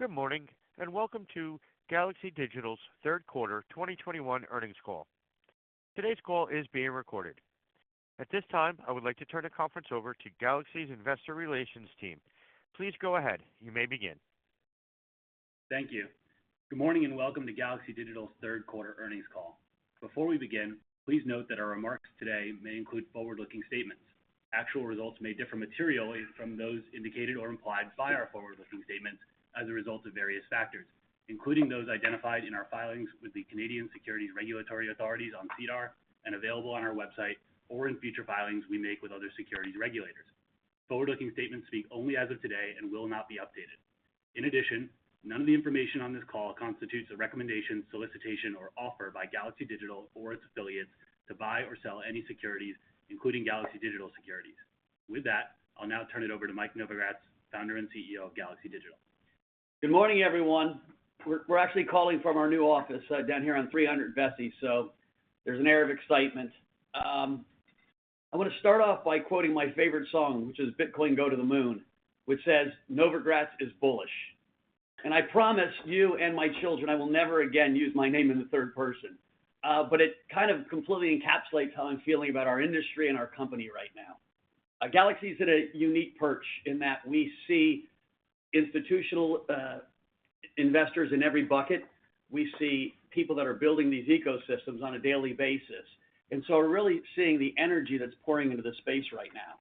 Good morning, and welcome to Galaxy Digital's third quarter 2021 earnings call. Today's call is being recorded. At this time, I would like to turn the conference over to Galaxy's investor relations team. Please go ahead. You may begin. Thank you. Good morning and welcome to Galaxy Digital's third quarter earnings call. Before we begin, please note that our remarks today may include forward-looking statements. Actual results may differ materially from those indicated or implied by our forward-looking statements as a result of various factors, including those identified in our filings with the Canadian Securities Administrators on SEDAR and available on our website or in future filings we make with other securities regulators. Forward-looking statements speak only as of today and will not be updated. In addition, none of the information on this call constitutes a recommendation, solicitation, or offer by Galaxy Digital or its affiliates to buy or sell any securities, including Galaxy Digital securities. With that, I'll now turn it over to Mike Novogratz, Founder and CEO of Galaxy Digital. Good morning, everyone. We're actually calling from our new office down here on 300 Vesey, so there's an air of excitement. I wanna start off by quoting my favorite song, which is Bitcoin Go to the Moon, which says, "Novogratz is bullish." I promise you and my children, I will never again use my name in the third person. But it kind of completely encapsulates how I'm feeling about our industry and our company right now. Galaxy's at a unique perch in that we see institutional investors in every bucket. We see people that are building these ecosystems on a daily basis. We're really seeing the energy that's pouring into the space right now.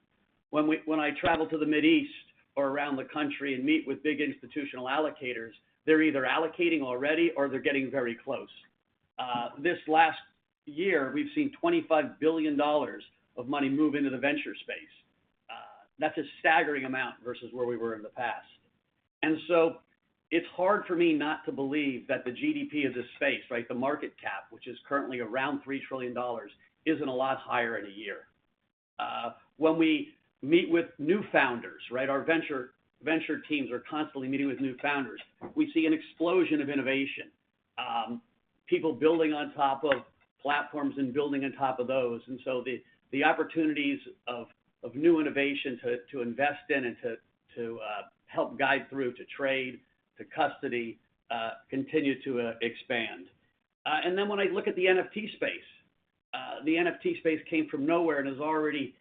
When I travel to the Middle East or around the country and meet with big institutional allocators, they're either allocating already or they're getting very close. This last year, we've seen $25 billion of money move into the venture space. That's a staggering amount versus where we were in the past. It's hard for me not to believe that the GDP of this space, right, the market cap, which is currently around $3 trillion, isn't a lot higher in a year. When we meet with new founders, right, our venture teams are constantly meeting with new founders. We see an explosion of innovation, people building on top of platforms and building on top of those. The opportunities of new innovation to help guide through to trade, to custody continue to expand. When I look at the NFT space, the NFT space came from nowhere and is already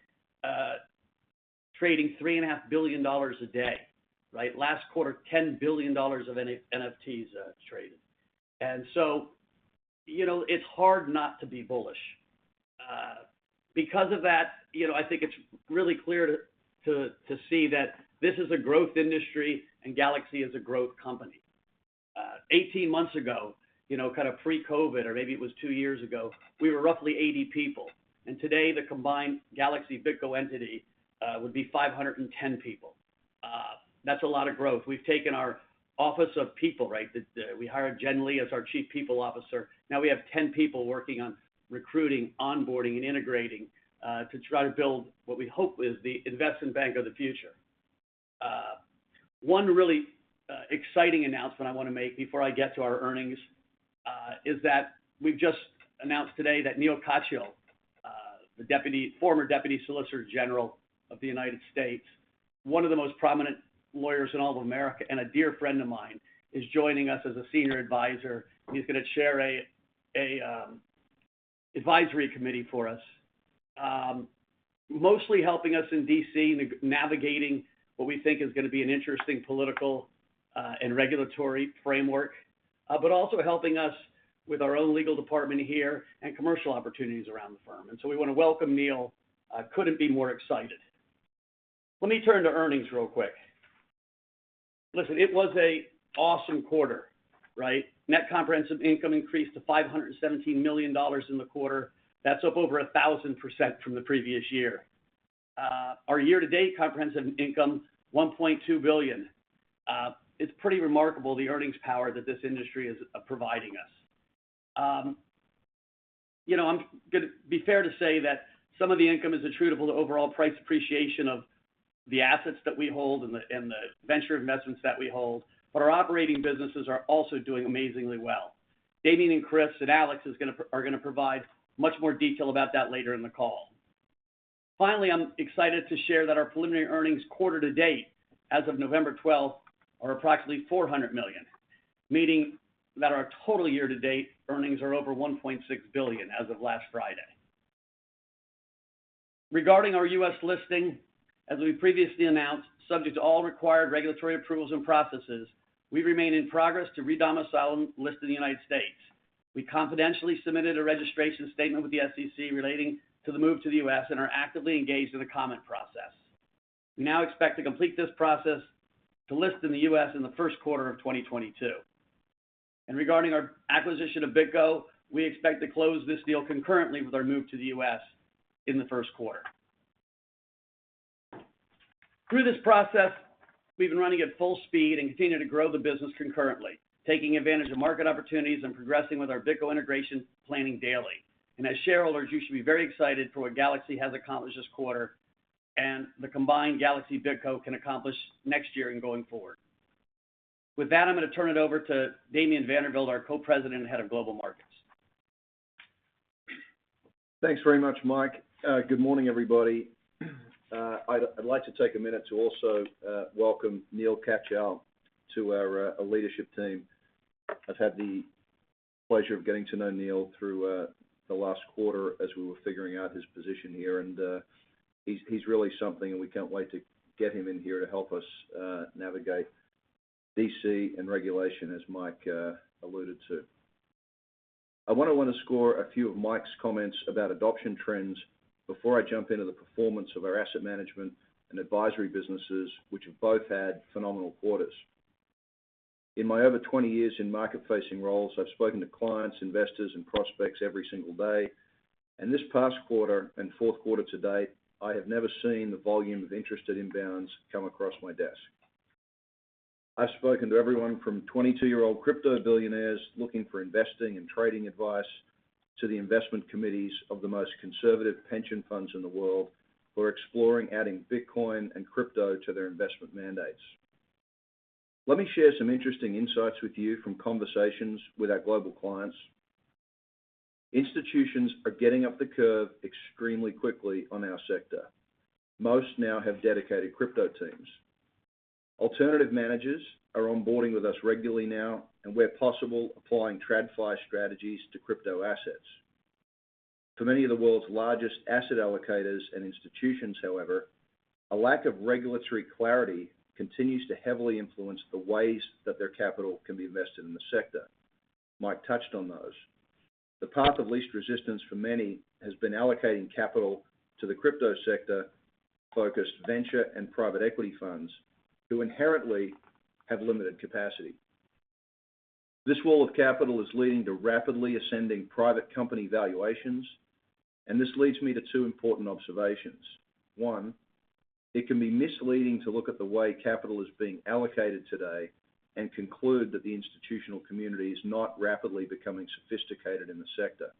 trading $3.5 billion a day, right? Last quarter, $10 billion of NFTs traded. You know, it's hard not to be bullish. Because of that, you know, I think it's really clear to see that this is a growth industry and Galaxy is a growth company. Eighteen months ago, you know, kind of pre-COVID, or maybe it was two years ago, we were roughly 80 people. Today, the combined Galaxy BitGo entity would be 510 people. That's a lot of growth. We've taken our office of people, right? We hired Jen Lee as our Chief People Officer. Now we have 10 people working on recruiting, onboarding, and integrating to try to build what we hope is the investment bank of the future. One really exciting announcement I wanna make before I get to our earnings is that we've just announced today that Neal Katyal, the former deputy solicitor general of the United States, one of the most prominent lawyers in all of America, and a dear friend of mine, is joining us as a Senior Advisor. He's gonna chair an advisory committee for us, mostly helping us in D.C. navigating what we think is gonna be an interesting political and regulatory framework, but also helping us with our own legal department here and commercial opportunities around the firm. We want to welcome Neal. Couldn't be more excited. Let me turn to earnings real quick. Listen, it was an awesome quarter, right? Net comprehensive income increased to $517 million in the quarter. That's up over 1,000% from the previous year. Our year-to-date comprehensive income, $1.2 billion. It's pretty remarkable the earnings power that this industry is providing us. You know, I'm gonna be fair to say that some of the income is attributable to overall price appreciation of the assets that we hold and the venture investments that we hold, but our operating businesses are also doing amazingly well. Damien and Chris and Alex are gonna provide much more detail about that later in the call. Finally, I'm excited to share that our preliminary earnings quarter to date, as of November 12, are approximately $400 million, meaning that our total year-to-date earnings are over $1.6 billion as of last Friday. Regarding our U.S. listing, as we previously announced, subject to all required regulatory approvals and processes, we remain in progress to re-domicile and list in the United States. We confidentially submitted a registration statement with the SEC relating to the move to the U.S. and are actively engaged in the comment process. We now expect to complete this process to list in the U.S. in the first quarter of 2022. Regarding our acquisition of BitGo, we expect to close this deal concurrently with our move to the U.S. in the first quarter. Through this process, we've been running at full speed and continue to grow the business concurrently, taking advantage of market opportunities and progressing with our BitGo integration planning daily. As shareholders, you should be very excited for what Galaxy has accomplished this quarter and the combined Galaxy BitGo can accomplish next year and going forward. With that, I'm gonna turn it over to Damien Vanderwilt, our Co-President and Head of Global Markets. Thanks very much, Mike. Good morning, everybody. I'd like to take a minute to also welcome Neal Katyal to our leadership team. I've had the pleasure of getting to know Neal through the last quarter as we were figuring out his position here, and he's really something, and we can't wait to get him in here to help us navigate D.C. and regulation, as Mike alluded to. I wanna underscore a few of Mike's comments about adoption trends before I jump into the performance of our asset management and advisory businesses, which have both had phenomenal quarters. In my over 20 years in market-facing roles, I've spoken to clients, investors, and prospects every single day, and this past quarter and fourth quarter to date, I have never seen the volume of interested inbounds come across my desk. I've spoken to everyone from 22-year-old crypto billionaires looking for investing and trading advice to the investment committees of the most conservative pension funds in the world who are exploring adding Bitcoin and crypto to their investment mandates. Let me share some interesting insights with you from conversations with our global clients. Institutions are getting up the curve extremely quickly on our sector. Most now have dedicated crypto teams. Alternative managers are onboarding with us regularly now, and where possible, applying TradFi strategies to crypto assets. For many of the world's largest asset allocators and institutions, however, a lack of regulatory clarity continues to heavily influence the ways that their capital can be invested in the sector. Mike touched on those. The path of least resistance for many has been allocating capital to the crypto sector-focused venture and private equity funds who inherently have limited capacity. This wall of capital is leading to rapidly ascending private company valuations, and this leads me to two important observations. One, it can be misleading to look at the way capital is being allocated today and conclude that the institutional community is not rapidly becoming sophisticated in the sector.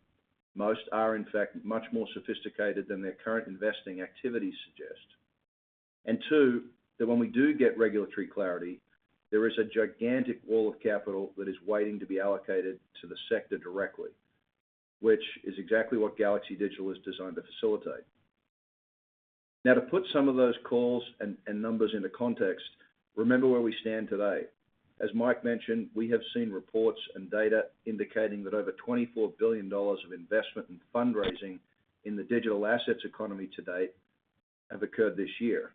Most are, in fact, much more sophisticated than their current investing activities suggest. Two, that when we do get regulatory clarity, there is a gigantic wall of capital that is waiting to be allocated to the sector directly, which is exactly what Galaxy Digital is designed to facilitate. Now to put some of those calls and numbers into context, remember where we stand today. As Mike mentioned, we have seen reports and data indicating that over $24 billion of investment in fundraising in the digital assets economy to date have occurred this year.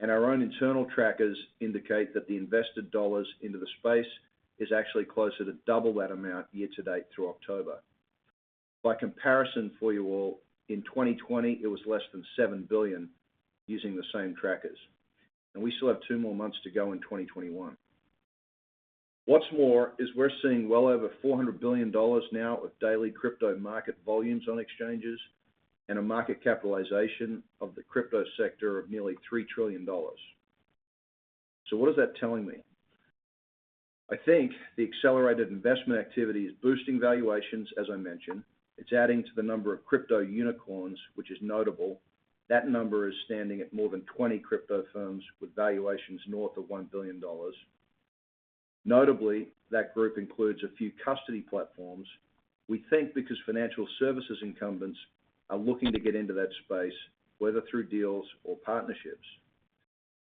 Our own internal trackers indicate that the invested dollars into the space is actually closer to double that amount year to date through October. By comparison for you all, in 2020, it was less than $7 billion using the same trackers, and we still have two more months to go in 2021. What's more is we're seeing well over $400 billion now of daily crypto market volumes on exchanges and a market capitalization of the crypto sector of nearly $3 trillion. What is that telling me? I think the accelerated investment activity is boosting valuations, as I mentioned. It's adding to the number of crypto unicorns, which is notable. That number is standing at more than 20 crypto firms with valuations north of $1 billion. Notably, that group includes a few custody platforms, we think because financial services incumbents are looking to get into that space, whether through deals or partnerships.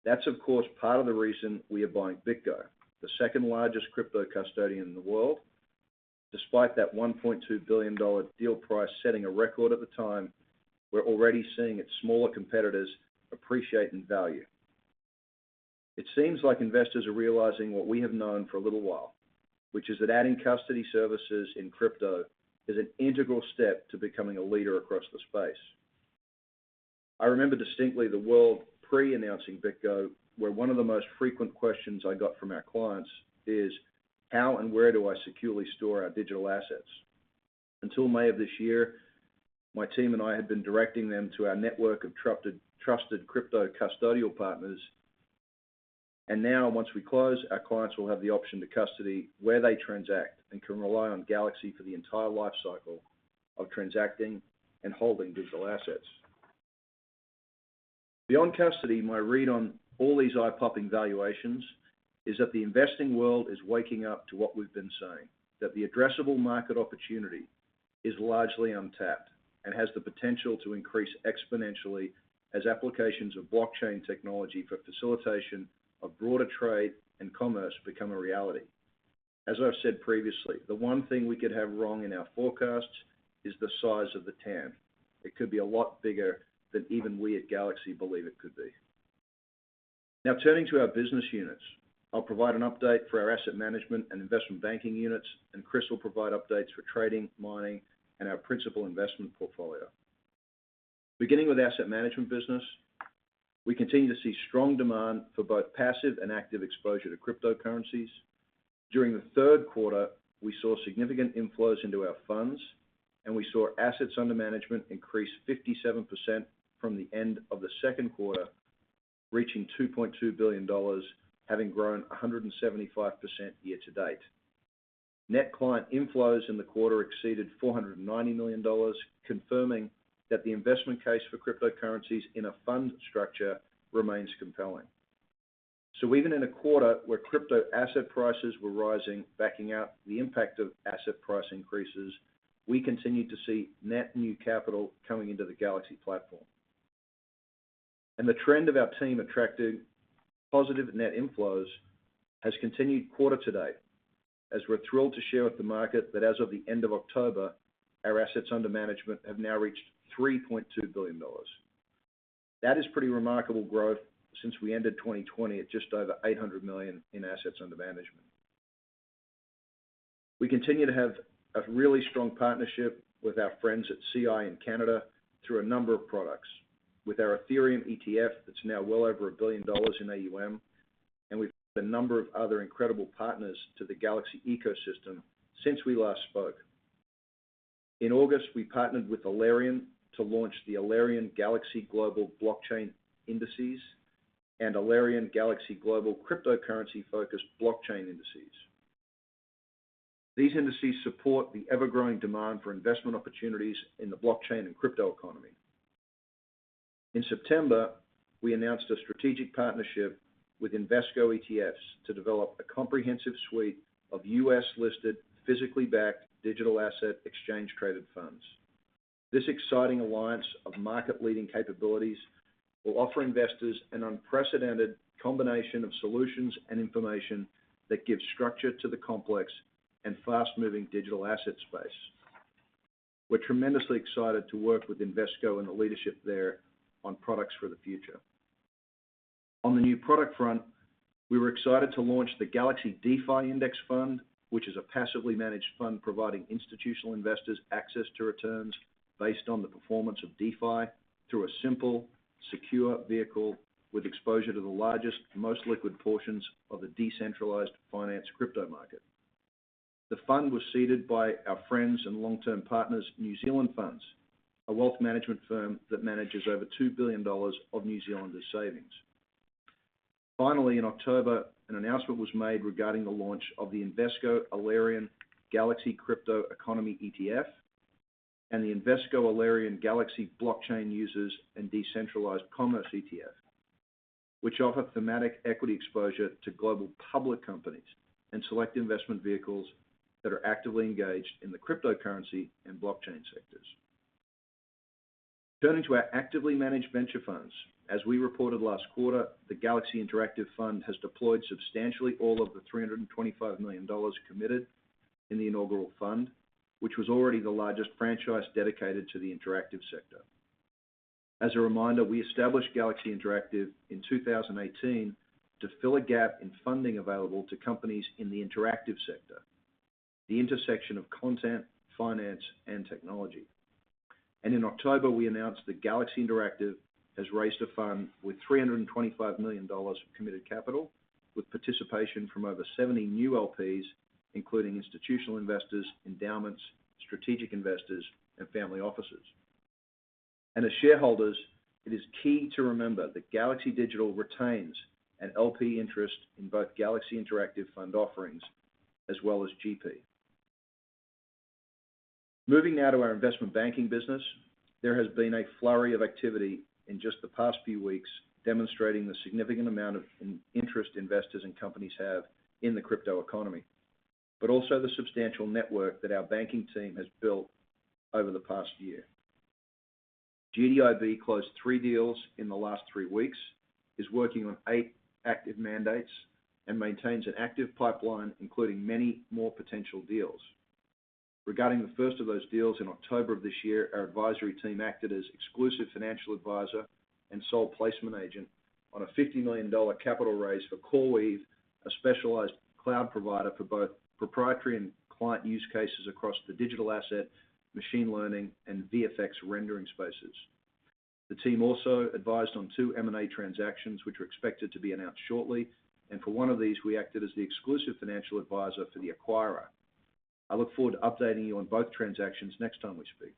That's, of course, part of the reason we are buying BitGo, the second-largest crypto custodian in the world. Despite that $1.2 billion deal price setting a record at the time, we're already seeing its smaller competitors appreciate in value. It seems like investors are realizing what we have known for a little while, which is that adding custody services in crypto is an integral step to becoming a leader across the space. I remember distinctly the world pre-announcing BitGo, where one of the most frequent questions I got from our clients is, "How and where do I securely store our digital assets?" Until May of this year, my team and I had been directing them to our network of trusted crypto custodial partners. Now, once we close, our clients will have the option to custody where they transact and can rely on Galaxy for the entire life cycle of transacting and holding digital assets. Beyond custody, my read on all these eye-popping valuations is that the investing world is waking up to what we've been saying, that the addressable market opportunity is largely untapped and has the potential to increase exponentially as applications of blockchain technology for facilitation of broader trade and commerce become a reality. As I've said previously, the one thing we could have wrong in our forecasts is the size of the TAM. It could be a lot bigger than even we at Galaxy believe it could be. Now turning to our business units, I'll provide an update for our asset management and investment banking units, and Chris will provide updates for trading, mining, and our principal investment portfolio. Beginning with asset management business, we continue to see strong demand for both passive and active exposure to cryptocurrencies. During the third quarter, we saw significant inflows into our funds, and we saw assets under management increase 57% from the end of the second quarter, reaching $2.2 billion, having grown 175% year to date. Net client inflows in the quarter exceeded $490 million, confirming that the investment case for cryptocurrencies in a fund structure remains compelling. Even in a quarter where crypto asset prices were rising, backing out the impact of asset price increases, we continued to see net new capital coming into the Galaxy platform. The trend of our team attracting positive net inflows has continued quarter to date, as we're thrilled to share with the market that as of the end of October, our assets under management have now reached $3.2 billion. That is pretty remarkable growth since we ended 2020 at just over $800 million in assets under management. We continue to have a really strong partnership with our friends at CI in Canada through a number of products. With our Ethereum ETF that's now well over $1 billion in AUM, we've a number of other incredible partners to the Galaxy ecosystem since we last spoke. In August, we partnered with Alerian to launch the Alerian Galaxy Global Blockchain Indexes and Alerian Galaxy Global Cryptocurrency-Focused Blockchain Indexes. These indexes support the ever-growing demand for investment opportunities in the blockchain and crypto economy. In September, we announced a strategic partnership with Invesco ETFs to develop a comprehensive suite of U.S.-listed, physically backed digital asset exchange-traded funds. This exciting alliance of market-leading capabilities will offer investors an unprecedented combination of solutions and information that gives structure to the complex and fast-moving digital asset space. We're tremendously excited to work with Invesco and the leadership there on products for the future. On the new product front, we were excited to launch the Galaxy DeFi Index Fund, which is a passively managed fund providing institutional investors access to returns based on the performance of DeFi through a simple, secure vehicle with exposure to the largest, most liquid portions of the decentralized finance crypto market. The fund was seeded by our friends and long-term partners, NZ Funds, a wealth management firm that manages over $2 billion of New Zealanders' savings. Finally, in October, an announcement was made regarding the launch of the Invesco Alerian Galaxy Crypto Economy ETF and the Invesco Alerian Galaxy Blockchain Users and Decentralized Commerce ETF, which offer thematic equity exposure to global public companies and select investment vehicles that are actively engaged in the cryptocurrency and blockchain sectors. Turning to our actively managed venture funds, as we reported last quarter, the Galaxy Interactive Fund has deployed substantially all of the $325 million committed in the inaugural fund, which was already the largest franchise dedicated to the interactive sector. As a reminder, we established Galaxy Interactive in 2018 to fill a gap in funding available to companies in the interactive sector, the intersection of content, finance, and technology. In October, we announced that Galaxy Interactive has raised a fund with $325 million of committed capital, with participation from over 70 new LPs, including institutional investors, endowments, strategic investors, and family offices. As shareholders, it is key to remember that Galaxy Digital retains an LP interest in both Galaxy Interactive fund offerings as well as GP. Moving now to our investment banking business, there has been a flurry of activity in just the past few weeks demonstrating the significant amount of interest investors and companies have in the crypto economy, but also the substantial network that our banking team has built over the past year. GDIB closed three deals in the last three weeks, is working on eight active mandates, and maintains an active pipeline, including many more potential deals. Regarding the first of those deals in October of this year, our advisory team acted as exclusive financial advisor and sole placement agent on a $50 million capital raise for CoreWeave, a specialized cloud provider for both proprietary and client use cases across the digital asset, machine learning, and VFX rendering spaces. The team also advised on 2 M&A transactions, which are expected to be announced shortly, and for one of these, we acted as the exclusive financial advisor for the acquirer. I look forward to updating you on both transactions next time we speak.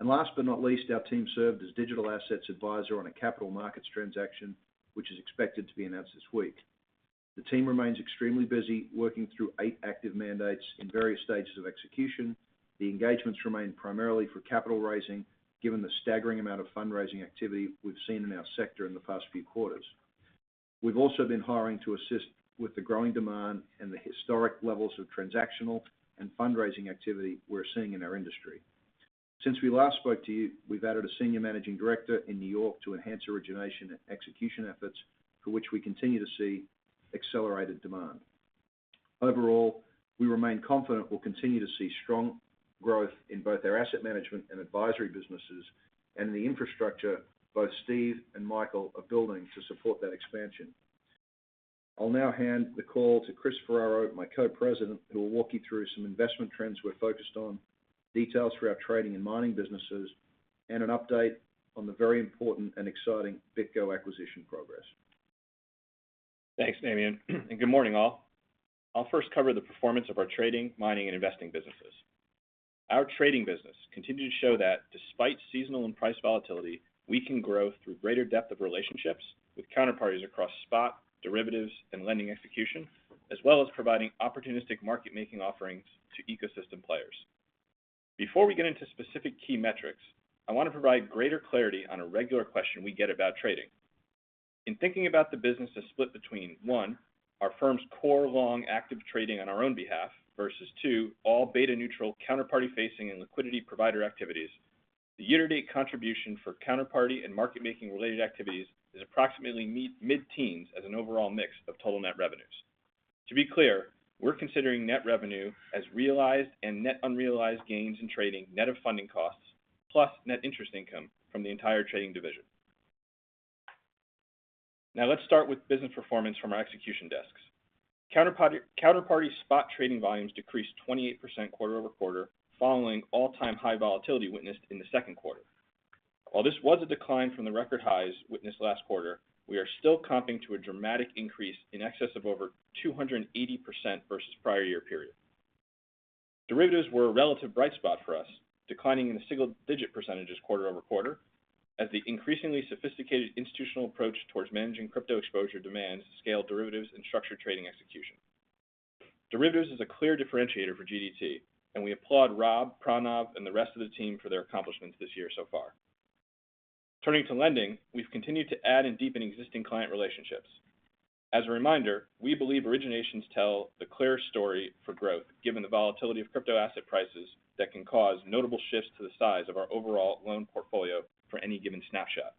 Last but not least, our team served as digital assets advisor on a capital markets transaction, which is expected to be announced this week. The team remains extremely busy working through 8 active mandates in various stages of execution. The engagements remain primarily for capital raising, given the staggering amount of fundraising activity we've seen in our sector in the past few quarters. We've also been hiring to assist with the growing demand and the historic levels of transactional and fundraising activity we're seeing in our industry. Since we last spoke to you, we've added a senior managing director in New York to enhance origination and execution efforts, for which we continue to see accelerated demand. Overall, we remain confident we'll continue to see strong growth in both our asset management and advisory businesses and the infrastructure both Steve and Michael are building to support that expansion. I'll now hand the call to Chris Ferraro, my co-president, who will walk you through some investment trends we're focused on, details for our trading and mining businesses, and an update on the very important and exciting BitGo acquisition progress. Thanks, Damien, and good morning, all. I'll first cover the performance of our Trading, Mining, and Investing businesses. Our Trading business continued to show that despite seasonal and price volatility, we can grow through greater depth of relationships with counterparties across spot, derivatives, and lending execution, as well as providing opportunistic market-making offerings to ecosystem players. Before we get into specific key metrics, I want to provide greater clarity on a regular question we get about trading. In thinking about the business as split between, one, our firm's core long active trading on our own behalf versus, two, all beta neutral counterparty facing and liquidity provider activities, the year-to-date contribution for counterparty and market making related activities is approximately mid-teens as an overall mix of total net revenues. To be clear, we're considering net revenue as realized and net unrealized gains in trading net of funding costs, plus net interest income from the entire trading division. Now let's start with business performance from our execution desks. Counterparty spot trading volumes decreased 28% quarter-over-quarter following all-time high volatility witnessed in the second quarter. While this was a decline from the record highs witnessed last quarter, we are still comping to a dramatic increase in excess of over 280% versus prior year period. Derivatives were a relative bright spot for us, declining in the single-digit percentages quarter-over-quarter as the increasingly sophisticated institutional approach towards managing crypto exposure demands scaled derivatives and structured trading execution. Derivatives is a clear differentiator for GDT, and we applaud Rob, Pranav, and the rest of the team for their accomplishments this year so far. Turning to lending, we've continued to add and deepen existing client relationships. As a reminder, we believe originations tell the clearest story for growth, given the volatility of crypto asset prices that can cause notable shifts to the size of our overall loan portfolio for any given snapshot.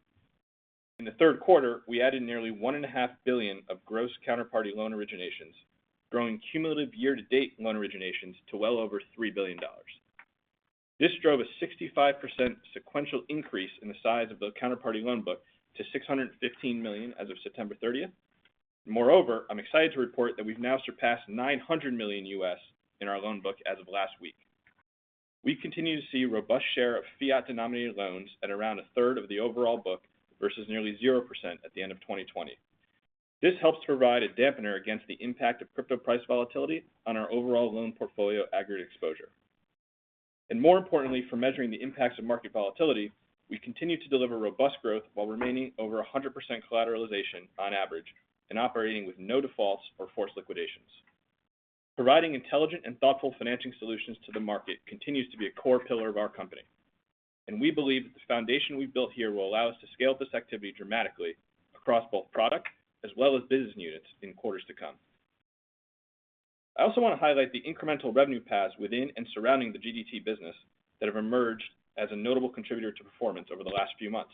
In the third quarter, we added nearly $1.5 billion of gross counterparty loan originations, growing cumulative year-to-date loan originations to well over $3 billion. This drove a 65% sequential increase in the size of the counterparty loan book to $615 million as of September 30th. Moreover, I'm excited to report that we've now surpassed $900 million in our loan book as of last week. We continue to see robust share of fiat denominated loans at around a third of the overall book versus nearly 0% at the end of 2020. This helps to provide a dampener against the impact of crypto price volatility on our overall loan portfolio aggregate exposure. More importantly, for measuring the impacts of market volatility, we continue to deliver robust growth while remaining over 100% collateralization on average and operating with no defaults or forced liquidations. Providing intelligent and thoughtful financing solutions to the market continues to be a core pillar of our company, and we believe that the foundation we've built here will allow us to scale this activity dramatically across both product as well as business units in quarters to come. I also want to highlight the incremental revenue paths within and surrounding the GDT business that have emerged as a notable contributor to performance over the last few months.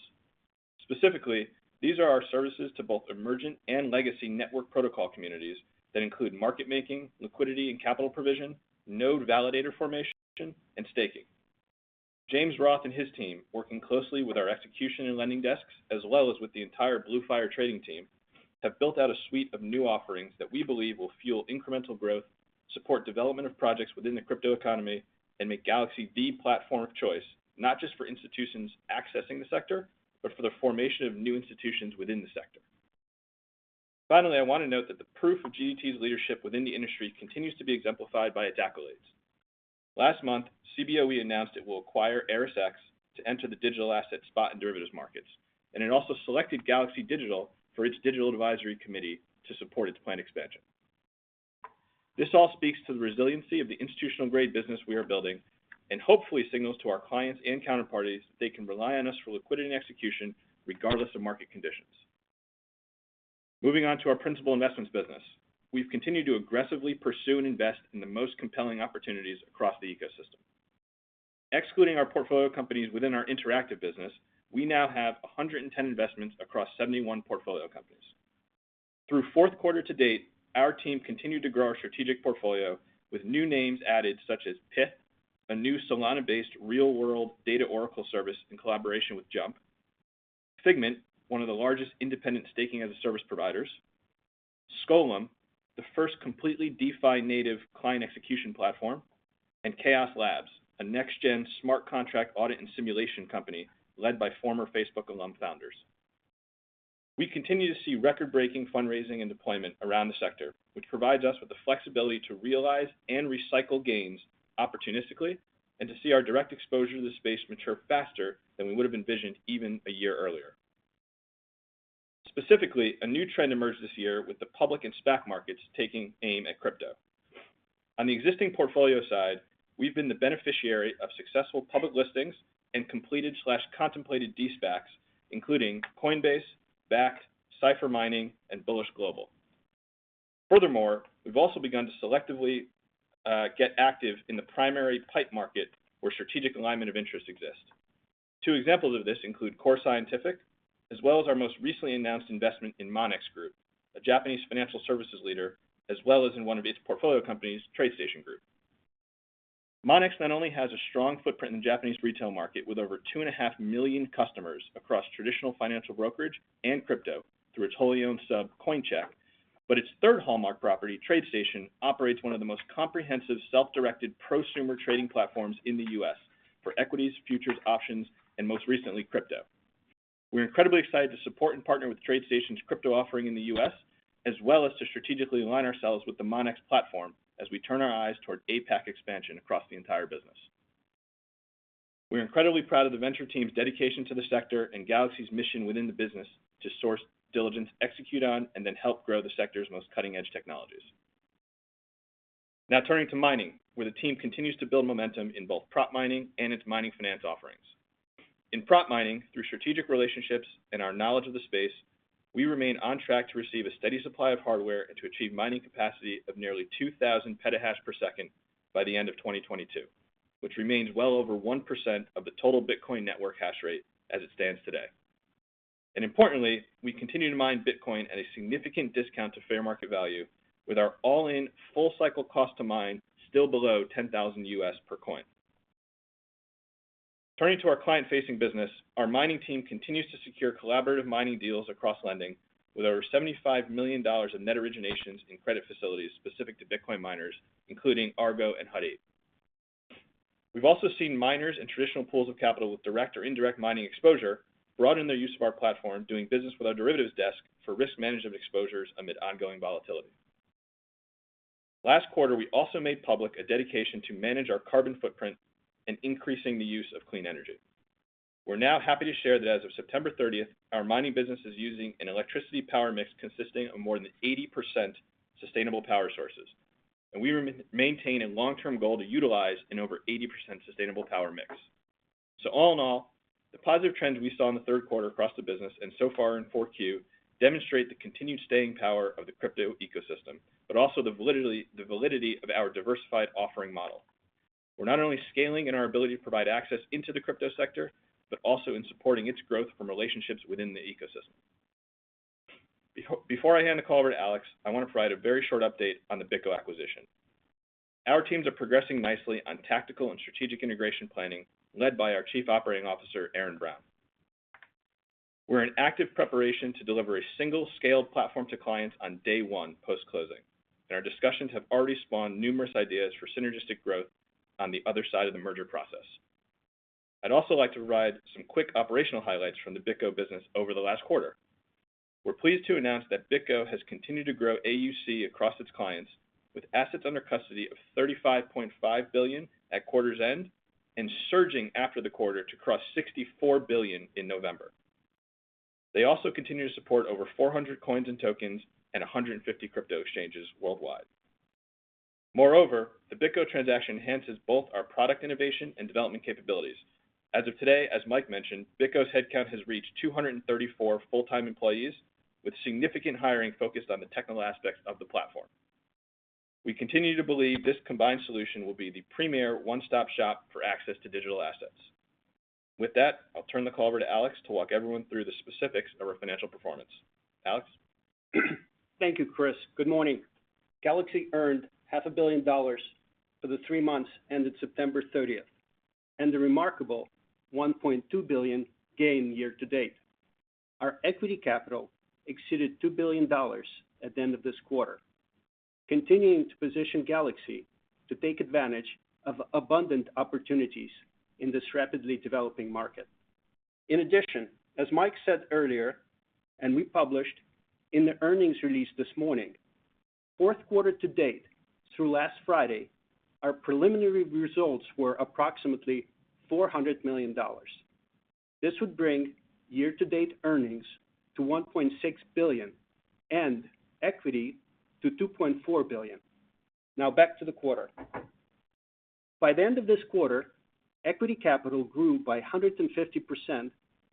Specifically, these are our services to both emergent and legacy network protocol communities that include market making, liquidity and capital provision, node validator formation, and staking. James Roth and his team, working closely with our execution and lending desks, as well as with the entire Blue Fire Trading Team, have built out a suite of new offerings that we believe will fuel incremental growth, support development of projects within the crypto economy, and make Galaxy the platform of choice, not just for institutions accessing the sector, but for the formation of new institutions within the sector. Finally, I want to note that the proof of GDT's leadership within the industry continues to be exemplified by its accolades. Last month, Cboe announced it will acquire ErisX to enter the digital asset spot and derivatives markets, and it also selected Galaxy Digital for its digital advisory committee to support its planned expansion. This all speaks to the resiliency of the institutional grade business we are building and hopefully signals to our clients and counterparties they can rely on us for liquidity and execution regardless of market conditions. Moving on to our principal investments business. We've continued to aggressively pursue and invest in the most compelling opportunities across the ecosystem. Excluding our portfolio companies within our interactive business, we now have 110 investments across 71 portfolio companies. Through fourth quarter to date, our team continued to grow our strategic portfolio with new names added such as Pyth, a new Solana-based real-world data oracle service in collaboration with Jump; Figment, one of the largest independent staking as a service providers; Skolem, the first completely DeFi-native client execution platform; and Chaos Labs, a next-gen smart contract audit and simulation company led by former Facebook alum founders. We continue to see record-breaking fundraising and deployment around the sector, which provides us with the flexibility to realize and recycle gains opportunistically and to see our direct exposure to the space mature faster than we would have envisioned even a year earlier. Specifically, a new trend emerged this year with the public and SPAC markets taking aim at crypto. On the existing portfolio side, we've been the beneficiary of successful public listings and completed or contemplated de-SPACs, including Coinbase, Bakkt, Cipher Mining, and Bullish Global. Furthermore, we've also begun to selectively get active in the primary PIPE market where strategic alignment of interest exists. Two examples of this include Core Scientific, as well as our most recently announced investment in Monex Group, a Japanese financial services leader, as well as in one of its portfolio companies, TradeStation Group. Monex not only has a strong footprint in the Japanese retail market with over 2.5 million customers across traditional financial brokerage and crypto through its wholly owned sub, Coincheck, but its third hallmark property, TradeStation, operates one of the most comprehensive self-directed prosumer trading platforms in the U.S. for equities, futures, options, and most recently, crypto. We're incredibly excited to support and partner with TradeStation's crypto offering in the U.S., as well as to strategically align ourselves with the Monex platform as we turn our eyes toward APAC expansion across the entire business. We're incredibly proud of the venture team's dedication to the sector and Galaxy's mission within the business to source diligence, execute on, and then help grow the sector's most cutting-edge technologies. Now turning to mining, where the team continues to build momentum in both prop mining and its mining finance offerings. In prop mining, through strategic relationships and our knowledge of the space, we remain on track to receive a steady supply of hardware and to achieve mining capacity of nearly 2,000 Petahash per second by the end of 2022, which remains well over 1% of the total Bitcoin network hashrate as it stands today. Importantly, we continue to mine Bitcoin at a significant discount to fair market value with our all-in full cycle cost to mine still below $10,000 per coin. Turning to our client-facing business, our Mining team continues to secure collaborative mining deals across lending with over $75 million of net originations in credit facilities specific to Bitcoin miners, including Argo and Hut 8. We've also seen miners and traditional pools of capital with direct or indirect mining exposure broaden their use of our platform, doing business with our derivatives desk for risk management exposures amid ongoing volatility. Last quarter, we also made public a dedication to manage our carbon footprint and increasing the use of clean energy. We're now happy to share that as of September thirtieth, our Mining business is using an electricity power mix consisting of more than 80% sustainable power sources, and we maintain a long-term goal to utilize an over 80% sustainable power mix. All in all, the positive trends we saw in the third quarter across the business and so far in 4Q demonstrate the continued staying power of the crypto ecosystem, but also the validity of our diversified offering model. We're not only scaling in our ability to provide access into the crypto sector, but also in supporting its growth from relationships within the ecosystem. Before I hand the call over to Alex, I want to provide a very short update on the BitGo acquisition. Our teams are progressing nicely on tactical and strategic integration planning led by our Chief Operating Officer, Aaron Brown. We're in active preparation to deliver a single scaled platform to clients on day one post-closing, and our discussions have already spawned numerous ideas for synergistic growth on the other side of the merger process. I'd also like to provide some quick operational highlights from the BitGo business over the last quarter. We're pleased to announce that BitGo has continued to grow AUC across its clients with assets under custody of $35.5 billion at quarter's end and surging after the quarter to cross $64 billion in November. They also continue to support over 400 coins and tokens and 150 crypto exchanges worldwide. Moreover, the BitGo transaction enhances both our product innovation and development capabilities. As of today, as Mike mentioned, BitGo's headcount has reached 234 full-time employees with significant hiring focused on the technical aspects of the platform. We continue to believe this combined solution will be the premier one-stop shop for access to digital assets. With that, I'll turn the call over to Alex to walk everyone through the specifics of our financial performance. Alex? Thank you, Chris. Good morning. Galaxy earned half a billion dollars for the three months ended September 30, and a remarkable $1.2 billion gain year-to-date. Our equity capital exceeded $2 billion at the end of this quarter, continuing to position Galaxy to take advantage of abundant opportunities in this rapidly developing market. In addition, as Mike said earlier, and we published in the earnings release this morning, fourth quarter to date, through last Friday, our preliminary results were approximately $400 million. This would bring year-to-date earnings to $1.6 billion and equity to $2.4 billion. Now back to the quarter. By the end of this quarter, equity capital grew by 150%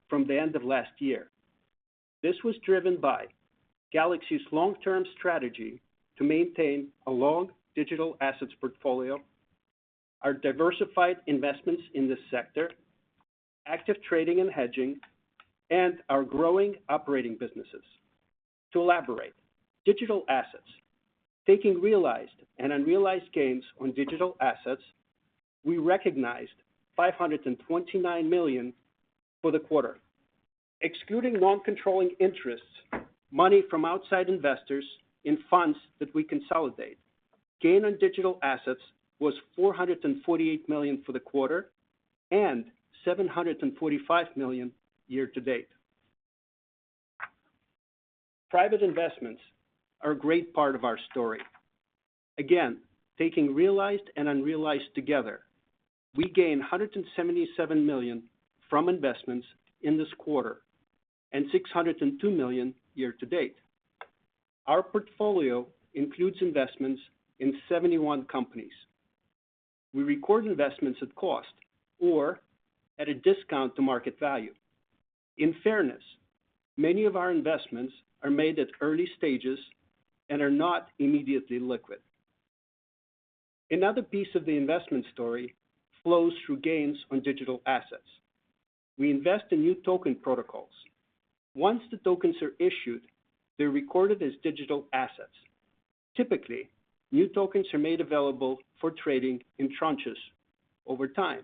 from the end of last year. This was driven by Galaxy's long-term strategy to maintain a long digital assets portfolio, our diversified investments in this sector, active trading and hedging, and our growing operating businesses. To elaborate, digital assets. Taking realized and unrealized gains on digital assets, we recognized $529 million for the quarter. Excluding non-controlling interests, money from outside investors in funds that we consolidate, gain on digital assets was $448 million for the quarter and $745 million year to date. Private investments are a great part of our story. Again, taking realized and unrealized together, we gained $177 million from investments in this quarter and $602 million year to date. Our portfolio includes investments in 71 companies. We record investments at cost or at a discount to market value. In fairness, many of our investments are made at early stages and are not immediately liquid. Another piece of the investment story flows through gains on digital assets. We invest in new token protocols. Once the tokens are issued, they're recorded as digital assets. Typically, new tokens are made available for trading in tranches over time.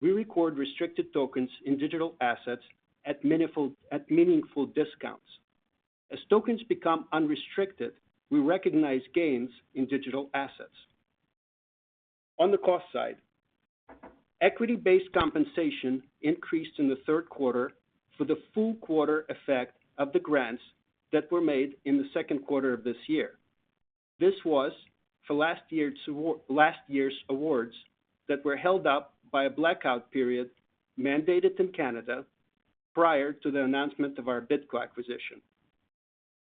We record restricted tokens in digital assets at meaningful discounts. As tokens become unrestricted, we recognize gains in digital assets. On the cost side, equity-based compensation increased in the third quarter for the full quarter effect of the grants that were made in the second quarter of this year. This was for last year's awards that were held up by a blackout period mandated in Canada prior to the announcement of our BitGo acquisition.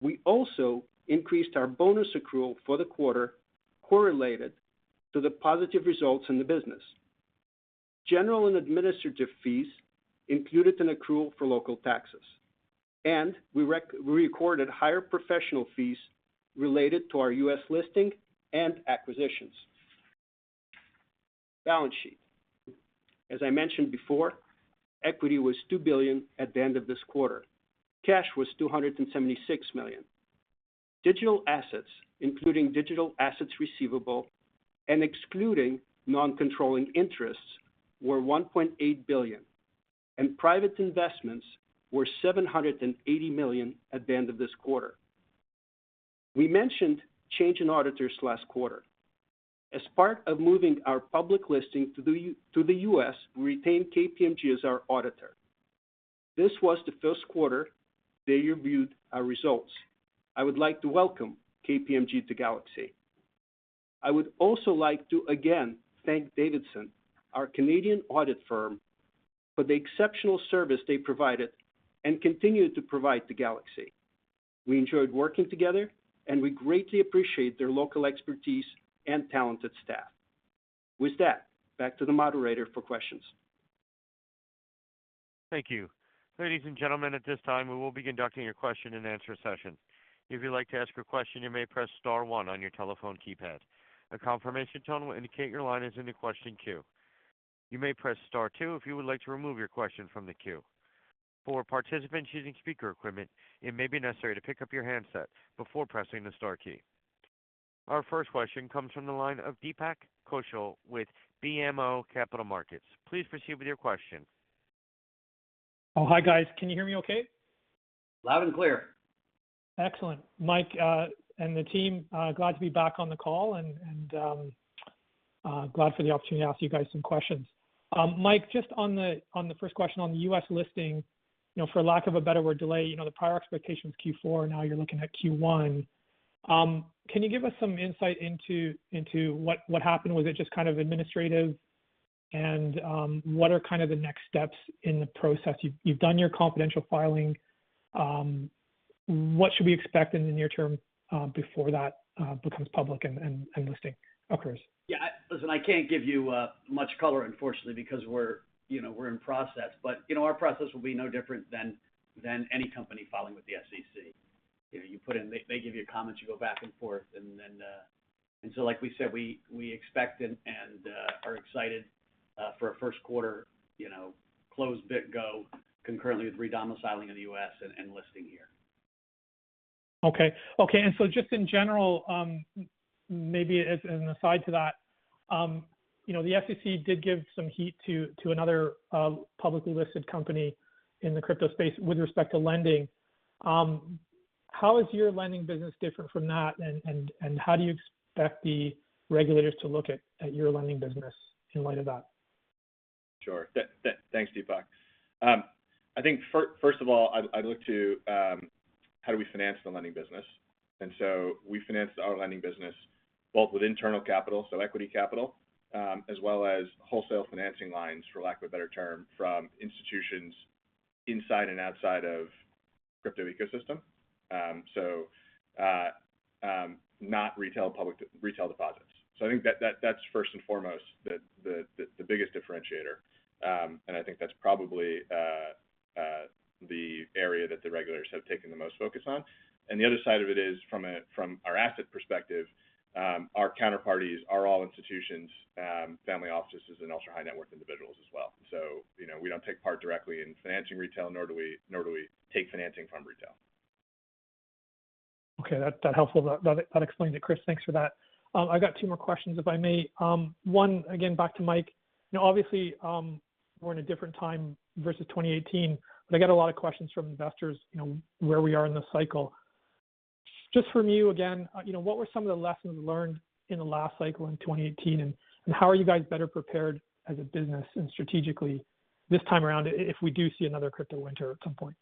We also increased our bonus accrual for the quarter correlated to the positive results in the business. General and administrative fees included an accrual for local taxes, and we recorded higher professional fees related to our U.S. listing and acquisitions. Balance sheet. As I mentioned before, equity was $2 billion at the end of this quarter. Cash was $276 million. Digital assets, including digital assets receivable and excluding non-controlling interests, were $1.8 billion, and private investments were $780 million at the end of this quarter. We mentioned change in auditors last quarter. As part of moving our public listing to the U.S., we retained KPMG as our auditor. This was the first quarter they reviewed our results. I would like to welcome KPMG to Galaxy. I would also like to again thank MNP, our Canadian audit firm, for the exceptional service they provided and continue to provide to Galaxy. We enjoyed working together, and we greatly appreciate their local expertise and talented staff. With that, back to the moderator for questions. Thank you. Ladies and gentlemen, at this time, we will be conducting a question-and-answer session. If you'd like to ask a question, you may press star one on your telephone keypad. A confirmation tone will indicate your line is in the question queue. You may press star two if you would like to remove your question from the queue. For participants using speaker equipment, it may be necessary to pick up your handset before pressing the star key. Our first question comes from the line of Deepak Kaushal with BMO Capital Markets. Please proceed with your question. Oh, hi, guys. Can you hear me okay? Loud and clear. Excellent. Mike and the team, glad to be back on the call and glad for the opportunity to ask you guys some questions. Mike, just on the first question on the U.S. listing, you know, for lack of a better word, delay, you know, the prior expectation was Q4, now you're looking at Q1. Can you give us some insight into what happened? Was it just kind of administrative? What are kind of the next steps in the process? You've done your confidential filing. What should we expect in the near term before that becomes public and listing occurs? Listen, I can't give you much color, unfortunately, because you know, we're in process. Our process will be no different than any company filing with the SEC. You know, you put in. They give you comments, you go back and forth. Like we said, we expect and are excited for a first quarter, you know, closed BitGo concurrently with re-domiciling in the U.S. and listing here. Just in general, maybe as an aside to that, you know, the SEC did give some heat to another publicly listed company in the crypto space with respect to lending. How is your lending business different from that? And how do you expect the regulators to look at your lending business in light of that? Sure. Thanks, Deepak. I think first of all, I'd look to how do we finance the lending business? We financed our lending business both with internal capital, so equity capital, as well as wholesale financing lines, for lack of a better term, from institutions inside and outside of crypto ecosystem. Not retail deposits. I think that's first and foremost the biggest differentiator. I think that's probably the area that the regulators have taken the most focus on. The other side of it is from our asset perspective, our counterparties are all institutions, family offices and also high-net-worth individuals as well. You know, we don't take part directly in financing retail, nor do we take financing from retail. Okay. That's helpful. That explained it, Chris. Thanks for that. I got two more questions, if I may. One, again, back to Mike. You know, obviously, we're in a different time versus 2018, but I get a lot of questions from investors, you know, where we are in the cycle. Just from you again, you know, what were some of the lessons learned in the last cycle in 2018, and how are you guys better prepared as a business and strategically this time around if we do see another crypto winter at some point?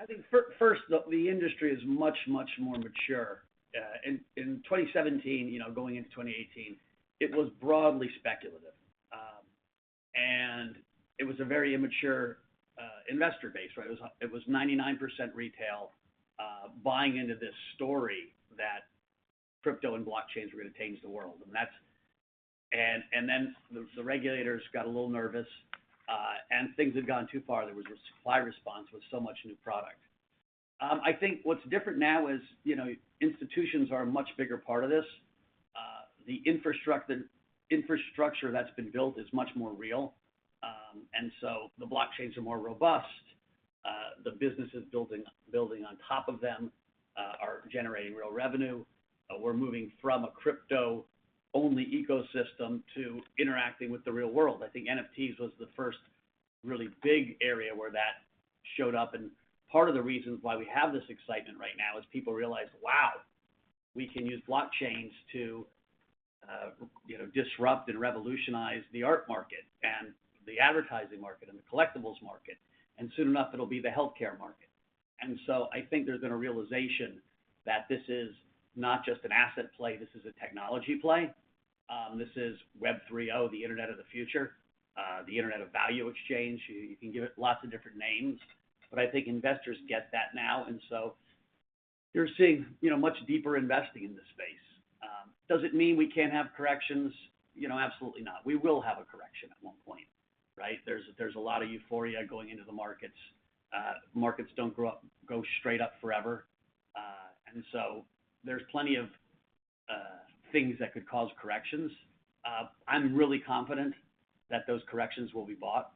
I think first, the industry is much more mature. In 2017, you know, going into 2018, it was broadly speculative. It was a very immature investor base, right? It was 99% retail, buying into this story that crypto and blockchains were gonna change the world. The regulators got a little nervous, and things had gone too far. There was a supply response with so much new product. I think what's different now is, you know, institutions are a much bigger part of this. The infrastructure that's been built is much more real. The blockchains are more robust. The businesses building on top of them are generating real revenue. We're moving from a crypto-only ecosystem to interacting with the real world. I think NFTs was the first really big area where that showed up, and part of the reasons why we have this excitement right now is people realize, wow, we can use blockchains to. You know, disrupt and revolutionize the art market and the advertising market and the collectibles market, and soon enough it'll be the healthcare market. I think there's been a realization that this is not just an asset play, this is a technology play. This is Web 3.0, the internet of the future, the internet of value exchange. You can give it lots of different names, but I think investors get that now. You're seeing, you know, much deeper investing in this space. Does it mean we can't have corrections? You know, absolutely not. We will have a correction at one point, right? There's a lot of euphoria going into the markets. Markets don't go straight up forever. There's plenty of things that could cause corrections. I'm really confident that those corrections will be bought,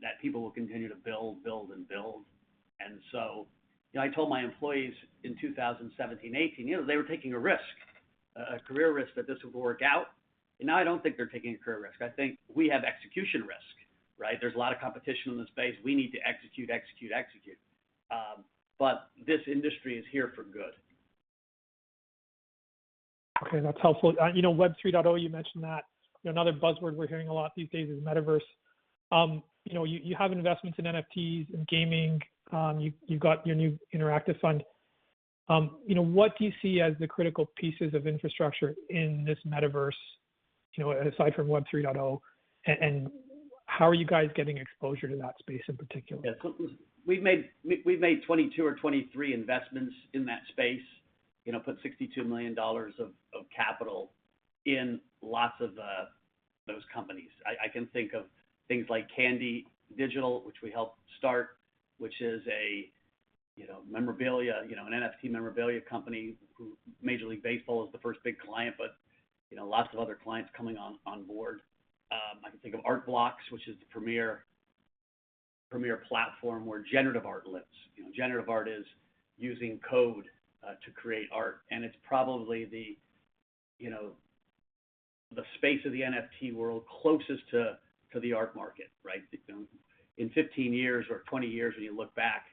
that people will continue to build and build. You know, I told my employees in 2017, 2018, you know, they were taking a risk, a career risk that this would work out, and now I don't think they're taking a career risk. I think we have execution risk, right? There's a lot of competition in this space. We need to execute. This industry is here for good. Okay, that's helpful. You know, Web 3.0, you mentioned that. You know, another buzzword we're hearing a lot these days is Metaverse. You know, you have investments in NFTs, in gaming. You've got your new interactive fund. You know, what do you see as the critical pieces of infrastructure in this Metaverse, you know, aside from Web 3.0? How are you guys getting exposure to that space in particular? Yeah. We've made 22 or 23 investments in that space. You know, put $62 million of capital in lots of those companies. I can think of things like Candy Digital, which we helped start, which is a, you know, memorabilia, you know, an NFT memorabilia company who Major League Baseball is the first big client, but, you know, lots of other clients coming on board. I can think of Art Blocks, which is the premier platform where generative art lives. You know, generative art is using code to create art, and it's probably the, you know, the space of the NFT world closest to the art market, right? You know, in 15 years or 20 years, when you look back,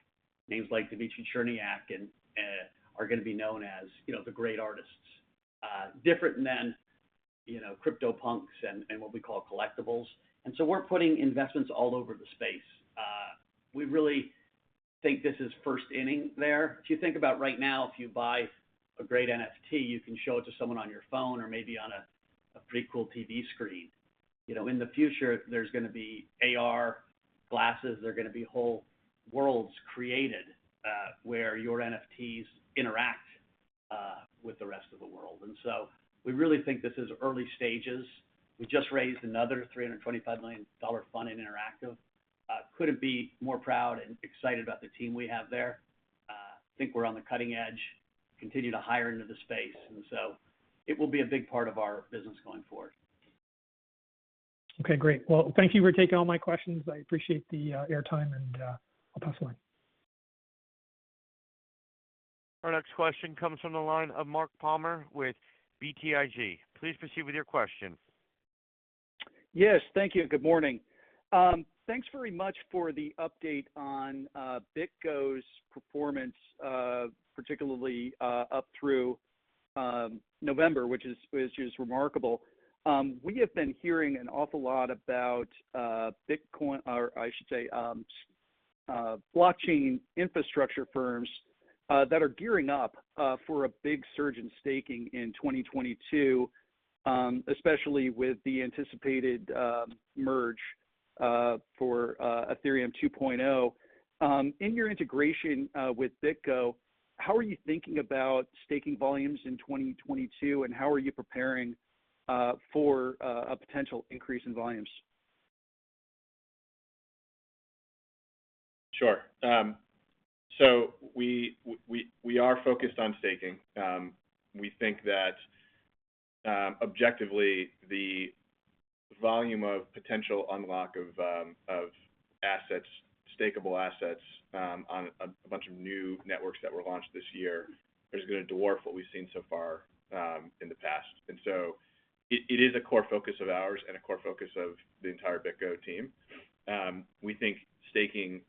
names like Dmitri Cherniak and are gonna be known as, you know, the great artists. Different than, you know, CryptoPunks and what we call collectibles. We're putting investments all over the space. We really think this is first inning there. If you think about right now, if you buy a great NFT, you can show it to someone on your phone or maybe on a pretty cool TV screen. You know, in the future there's gonna be AR glasses, there are gonna be whole worlds created, where your NFTs interact with the rest of the world. We really think this is early stages. We just raised another $325 million fund in Interactive. Couldn't be more proud and excited about the team we have there. Think we're on the cutting edge, continue to hire into the space, and it will be a big part of our business going forward. Okay, great. Well, thank you for taking all my questions. I appreciate the airtime, and I'll pass the line. Our next question comes from the line of Mark Palmer with BTIG. Please proceed with your question. Yes, thank you. Good morning. Thanks very much for the update on BitGo's performance, particularly up through November, which is remarkable. We have been hearing an awful lot about blockchain infrastructure firms that are gearing up for a big surge in staking in 2022, especially with the anticipated merge for Ethereum 2.0. In your integration with BitGo, how are you thinking about staking volumes in 2022, and how are you preparing for a potential increase in volumes? Sure. We are focused on staking. We think that objectively the volume of potential unlock of assets, stakeable assets, on a bunch of new networks that were launched this year is gonna dwarf what we've seen so far in the past. It is a core focus of ours and a core focus of the entire BitGo team. We think staking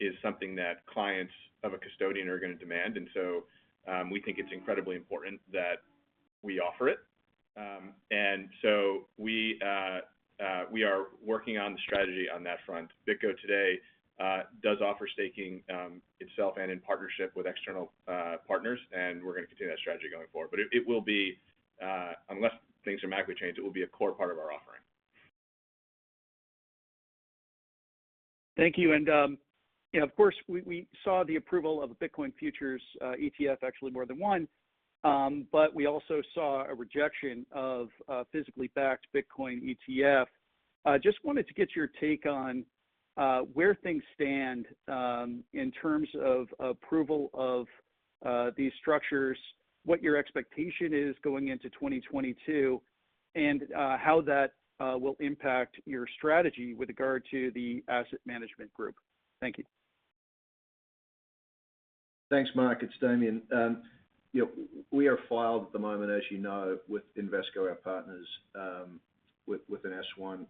is something that clients of a custodian are gonna demand, and so we think it's incredibly important that we offer it. We are working on the strategy on that front. BitGo today does offer staking itself and in partnership with external partners, and we're gonna continue that strategy going forward. It will be, unless things dramatically change, it will be a core part of our offering. Thank you. You know, of course we saw the approval of a Bitcoin futures ETF, actually more than one. We also saw a rejection of a physically backed Bitcoin ETF. Just wanted to get your take on where things stand in terms of approval of these structures, what your expectation is going into 2022, and how that will impact your strategy with regard to the asset management group. Thank you. Thanks, Mark. It's Damien. You know, we are filed at the moment, as you know, with Invesco, our partners, with an S-1.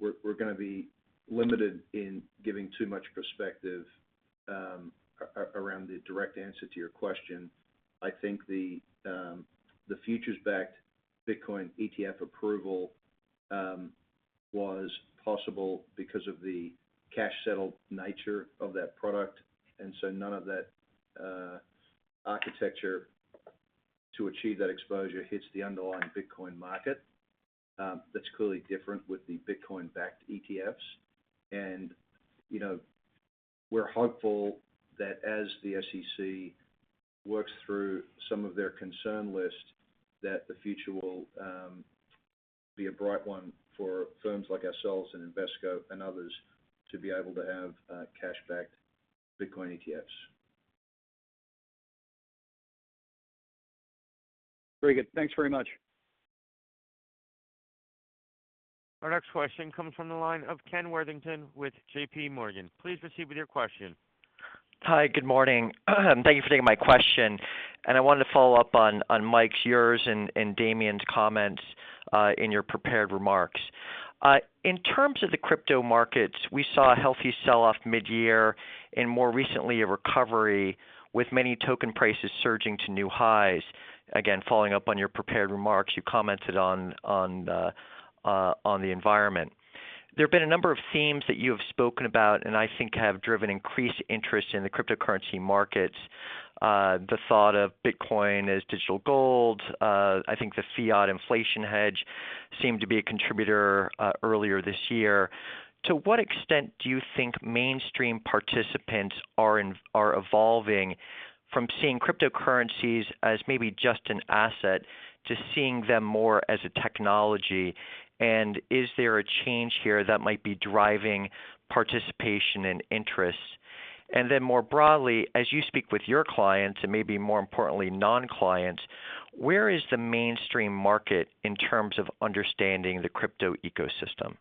We're gonna be limited in giving too much perspective around the direct answer to your question. I think the futures-backed Bitcoin ETF approval was possible because of the cash settle nature of that product. None of that architecture to achieve that exposure hits the underlying Bitcoin market. That's clearly different with the Bitcoin-backed ETFs. You know, we're hopeful that as the SEC works through some of their concern list, that the future will be a bright one for firms like ourselves and Invesco and others to be able to have cash-backed Bitcoin ETFs. Very good. Thanks very much. Our next question comes from the line of Kenneth Worthington with J.P. Morgan. Please proceed with your question. Hi, good morning. Thank you for taking my question. I wanted to follow up on Mike's, yours, and Damien's comments in your prepared remarks. In terms of the crypto markets, we saw a healthy sell-off mid-year and more recently a recovery with many token prices surging to new highs. Again, following up on your prepared remarks you commented on the environment. There have been a number of themes that you have spoken about, and I think have driven increased interest in the cryptocurrency markets. The thought of Bitcoin as digital gold, I think the fiat inflation hedge seemed to be a contributor earlier this year. To what extent do you think mainstream participants are evolving from seeing cryptocurrencies as maybe just an asset to seeing them more as a technology? Is there a change here that might be driving participation and interest? More broadly, as you speak with your clients, and maybe more importantly, non-clients, where is the mainstream market in terms of understanding the crypto ecosystem?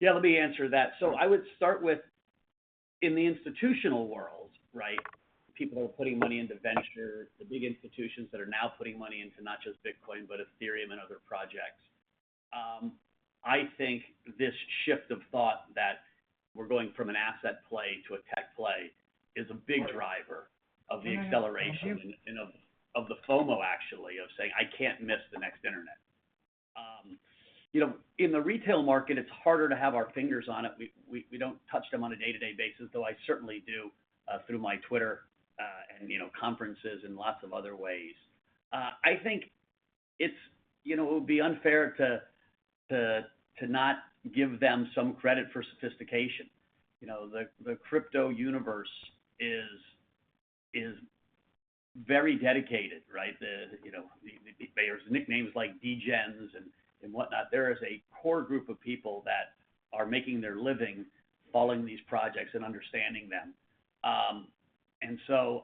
Yeah, let me answer that. I would start with in the institutional world, right, people who are putting money into venture, the big institutions that are now putting money into not just Bitcoin, but Ethereum and other projects. I think this shift of thought that we're going from an asset play to a tech play is a big driver of the acceleration and of the FOMO actually of saying, "I can't miss the next internet." You know, in the retail market, it's harder to have our fingers on it. We don't touch them on a day-to-day basis, though I certainly do through my Twitter and, you know, conferences and lots of other ways. I think it's you know, it would be unfair to not give them some credit for sophistication. You know, the crypto universe is very dedicated, right? You know, there's nicknames like degens and whatnot. There is a core group of people that are making their living following these projects and understanding them.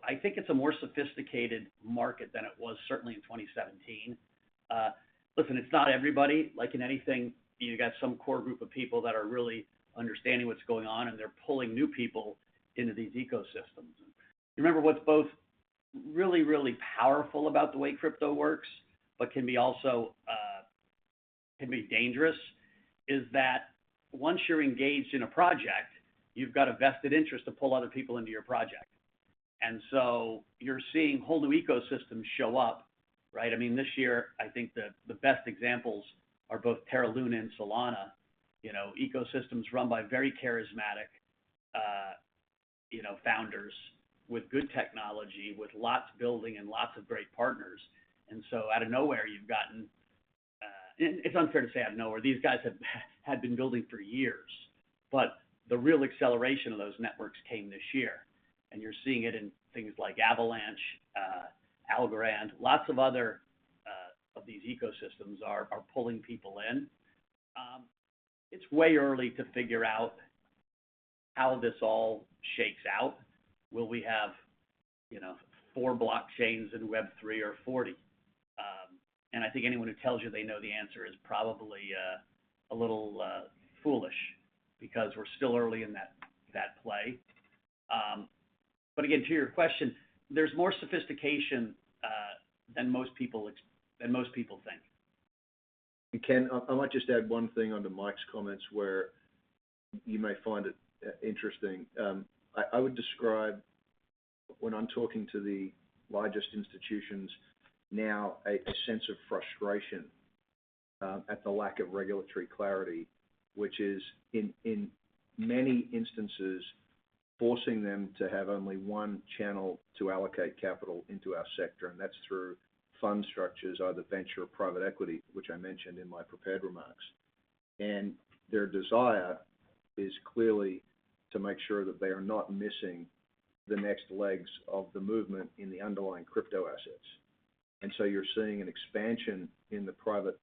I think it's a more sophisticated market than it was certainly in 2017. Listen, it's not everybody. Like in anything, you got some core group of people that are really understanding what's going on, and they're pulling new people into these ecosystems. Remember what's both really, really powerful about the way crypto works, but can also be dangerous, is that once you're engaged in a project, you've got a vested interest to pull other people into your project. You're seeing whole new ecosystems show up, right? I mean, this year, I think the best examples are both Terra Luna and Solana. You know, ecosystems run by very charismatic, you know, founders with good technology, with lots building and lots of great partners. It's unfair to say out of nowhere. These guys have been building for years. The real acceleration of those networks came this year, and you're seeing it in things like Avalanche, Algorand, lots of other of these ecosystems are pulling people in. It's way early to figure out how this all shakes out. Will we have, you know, 4 blockchains in Web 3.0 or 40? I think anyone who tells you they know the answer is probably a little foolish because we're still early in that play. To your question, there's more sophistication than most people think. Ken, I might just add one thing onto Mike's comments where you may find it interesting. I would describe when I'm talking to the largest institutions now a sense of frustration at the lack of regulatory clarity, which is in many instances forcing them to have only one channel to allocate capital into our sector, and that's through fund structures, either venture or private equity, which I mentioned in my prepared remarks. Their desire is clearly to make sure that they are not missing the next legs of the movement in the underlying crypto assets. You're seeing an expansion in the private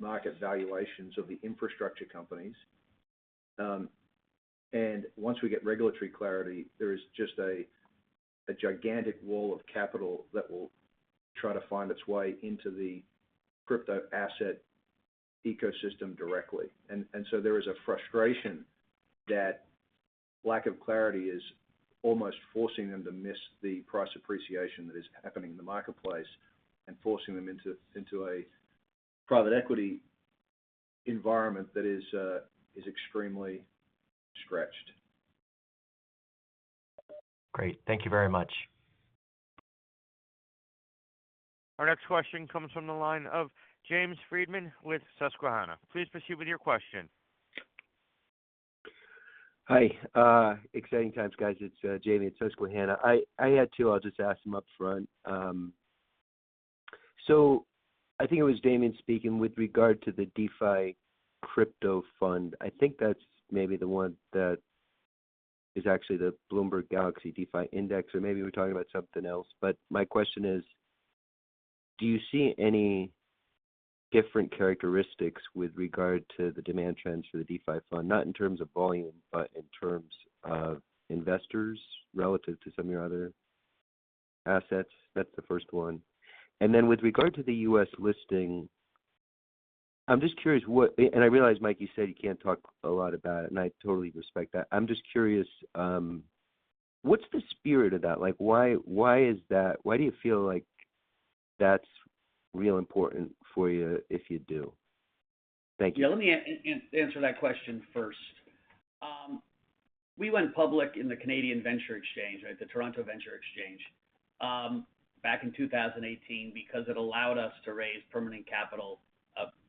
market valuations of the infrastructure companies. Once we get regulatory clarity, there is just a gigantic wall of capital that will try to find its way into the crypto asset ecosystem directly. There is a frustration that lack of clarity is almost forcing them to miss the price appreciation that is happening in the marketplace and forcing them into a private equity environment that is extremely stretched. Great. Thank you very much. Our next question comes from the line of James Friedman with Susquehanna. Please proceed with your question. Hi. Exciting times, guys. It's James at Susquehanna. I had two, I'll just ask them upfront. So I think it was Damien speaking with regard to the DeFi crypto fund. I think that's maybe the one that is actually the Bloomberg Galaxy DeFi Index, or maybe we're talking about something else. My question is, do you see any different characteristics with regard to the demand trends for the DeFi fund, not in terms of volume, but in terms of investors relative to some of your other assets? That's the first one. Then with regard to the U.S. listing, I'm just curious what and I realize, Mike, you said you can't talk a lot about it, and I totally respect that. I'm just curious, what's the spirit of that? Why do you feel like that's real important for you if you do? Thank you. Yeah, let me answer that question first. We went public in the TSX Venture Exchange, right? The TSX Venture Exchange, back in 2018 because it allowed us to raise permanent capital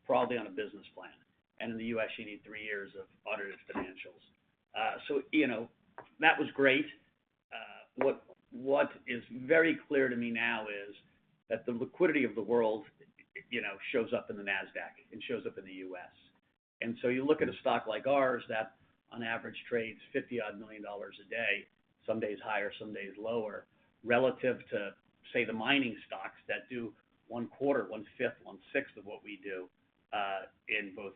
broadly on a business plan. In the U.S., you need three years of audited financials. You know, that was great. What is very clear to me now is that the liquidity of the world, you know, shows up in the Nasdaq and shows up in the U.S. You look at a stock like ours that on average trades $50-odd million a day, some days higher, some days lower, relative to, say, the mining stocks that do one quarter, one fifth, one sixth of what we do in both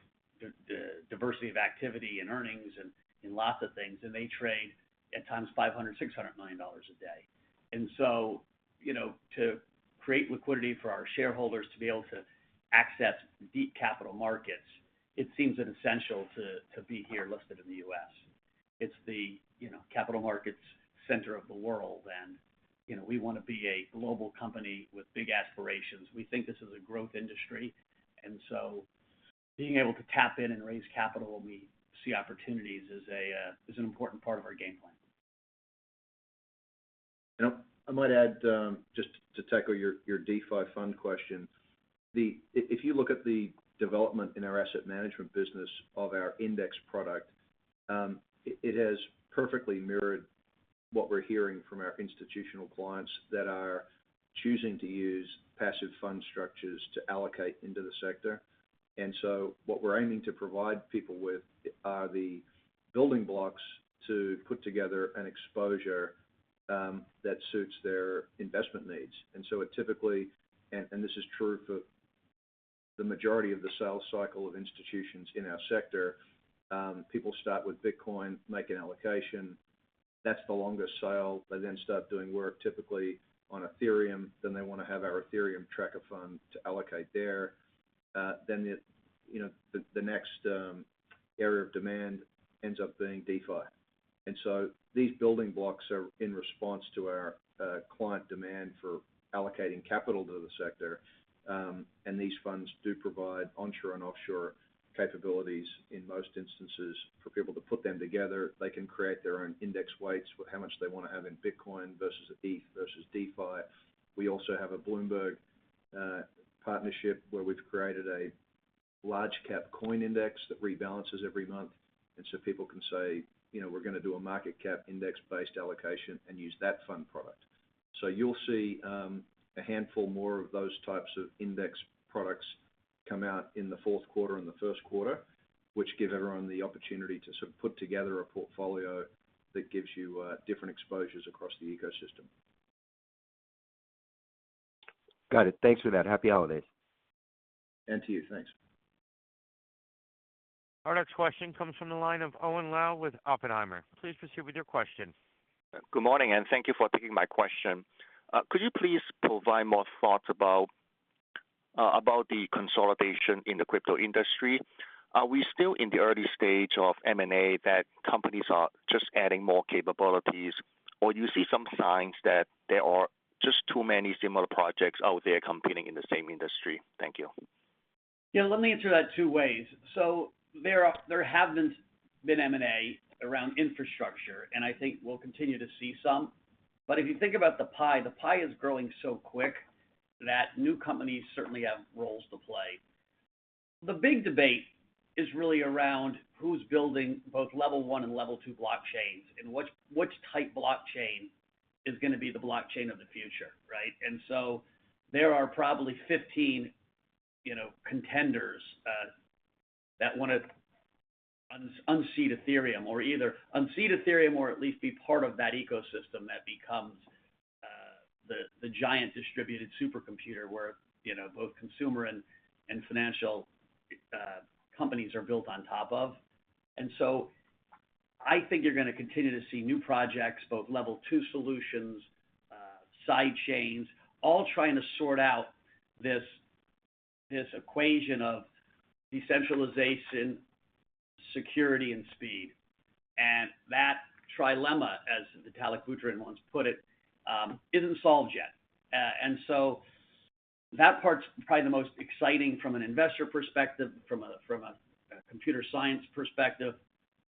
diversity of activity and earnings and in lots of things, and they trade at times $500 million, $600 million a day. You know, to create liquidity for our shareholders to be able to access deep capital markets, it seems an essential to be here listed in the U.S. It's the, you know, capital markets center of the world, and, you know, we wanna be a global company with big aspirations. We think this is a growth industry, and so being able to tap in and raise capital when we see opportunities is an important part of our game plan. You know, I might add, just to tackle your DeFi fund question. If you look at the development in our asset management business of our index product, it has perfectly mirrored what we're hearing from our institutional clients that are choosing to use passive fund structures to allocate into the sector. What we're aiming to provide people with are the building blocks to put together an exposure that suits their investment needs. It typically, and this is true for the majority of the sales cycle of institutions in our sector, people start with Bitcoin, make an allocation. That's the longest sale. They then start doing work typically on Ethereum, then they wanna have our Ethereum tracker fund to allocate there. Then it, you know, the next area of demand ends up being DeFi. These building blocks are in response to our client demand for allocating capital to the sector. These funds do provide onshore and offshore capabilities in most instances for people to put them together. They can create their own index weights for how much they wanna have in Bitcoin versus Eth versus DeFi. We also have a Bloomberg partnership where we've created a large cap coin index that rebalances every month. People can say, you know, we're gonna do a market cap index based allocation and use that fund product. You'll see a handful more of those types of index products come out in the fourth quarter and the first quarter, which give everyone the opportunity to sort of put together a portfolio that gives you different exposures across the ecosystem. Got it. Thanks for that. Happy holidays. To you. Thanks. Our next question comes from the line of Owen Lau with Oppenheimer. Please proceed with your question. Good morning, and thank you for taking my question. Could you please provide more thoughts about the consolidation in the crypto industry? Are we still in the early stage of M&A that companies are just adding more capabilities? Or do you see some signs that there are just too many similar projects out there competing in the same industry? Thank you. Yeah, let me answer that two ways. There have been M&A around infrastructure, and I think we'll continue to see some. If you think about the pie, the pie is growing so quick that new companies certainly have roles to play. The big debate is really around who's building both level one and level two blockchains and which type blockchain is gonna be the blockchain of the future, right? There are probably 15, you know, contenders that wanna unseat Ethereum or either unseat Ethereum or at least be part of that ecosystem that becomes the giant distributed supercomputer where, you know, both consumer and financial companies are built on top of. I think you're gonna continue to see new projects, both level two solutions, side chains, all trying to sort out this equation of decentralization, security and speed. That trilemma, as Vitalik Buterin once put it, isn't solved yet. That part's probably the most exciting from an investor perspective, from a computer science perspective.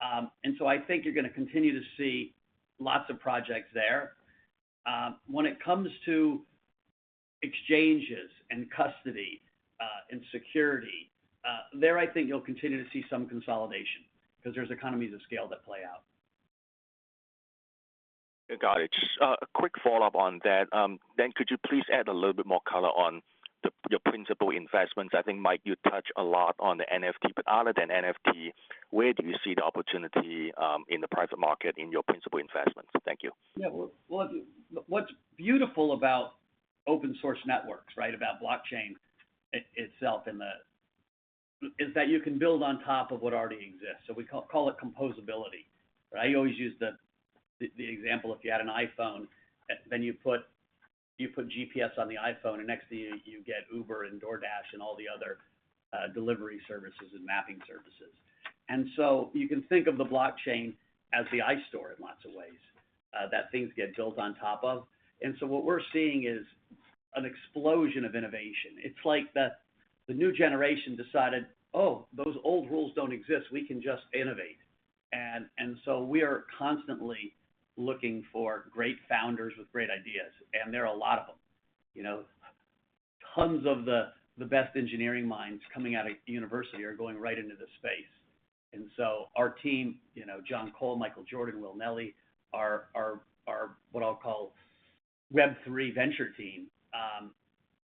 I think you're gonna continue to see lots of projects there. When it comes to exchanges and custody, and security, there, I think you'll continue to see some consolidation because there's economies of scale that play out. Got it. A quick follow-up on that. Could you please add a little bit more color on your principal investments? I think, Mike, you touch a lot on the NFT, but other than NFT, where do you see the opportunity in the private market in your principal investments? Thank you. Well, what's beautiful about open source networks, right, about blockchain itself is that you can build on top of what already exists. So we call it composability, right? You always use the example, if you had an iPhone, then you put GPS on the iPhone, and next thing, you get Uber and DoorDash and all the other delivery services and mapping services. You can think of the blockchain as the App Store in lots of ways, that things get built on top of. What we're seeing is an explosion of innovation. It's like the new generation decided, "Oh, those old rules don't exist. We can just innovate." We are constantly looking for great founders with great ideas, and there are a lot of them. You know, tons of the best engineering minds coming out of university are going right into this space. Our team, you know, John Cole, Michael Jordan, Will Nelly, our what I'll call Web3 venture team,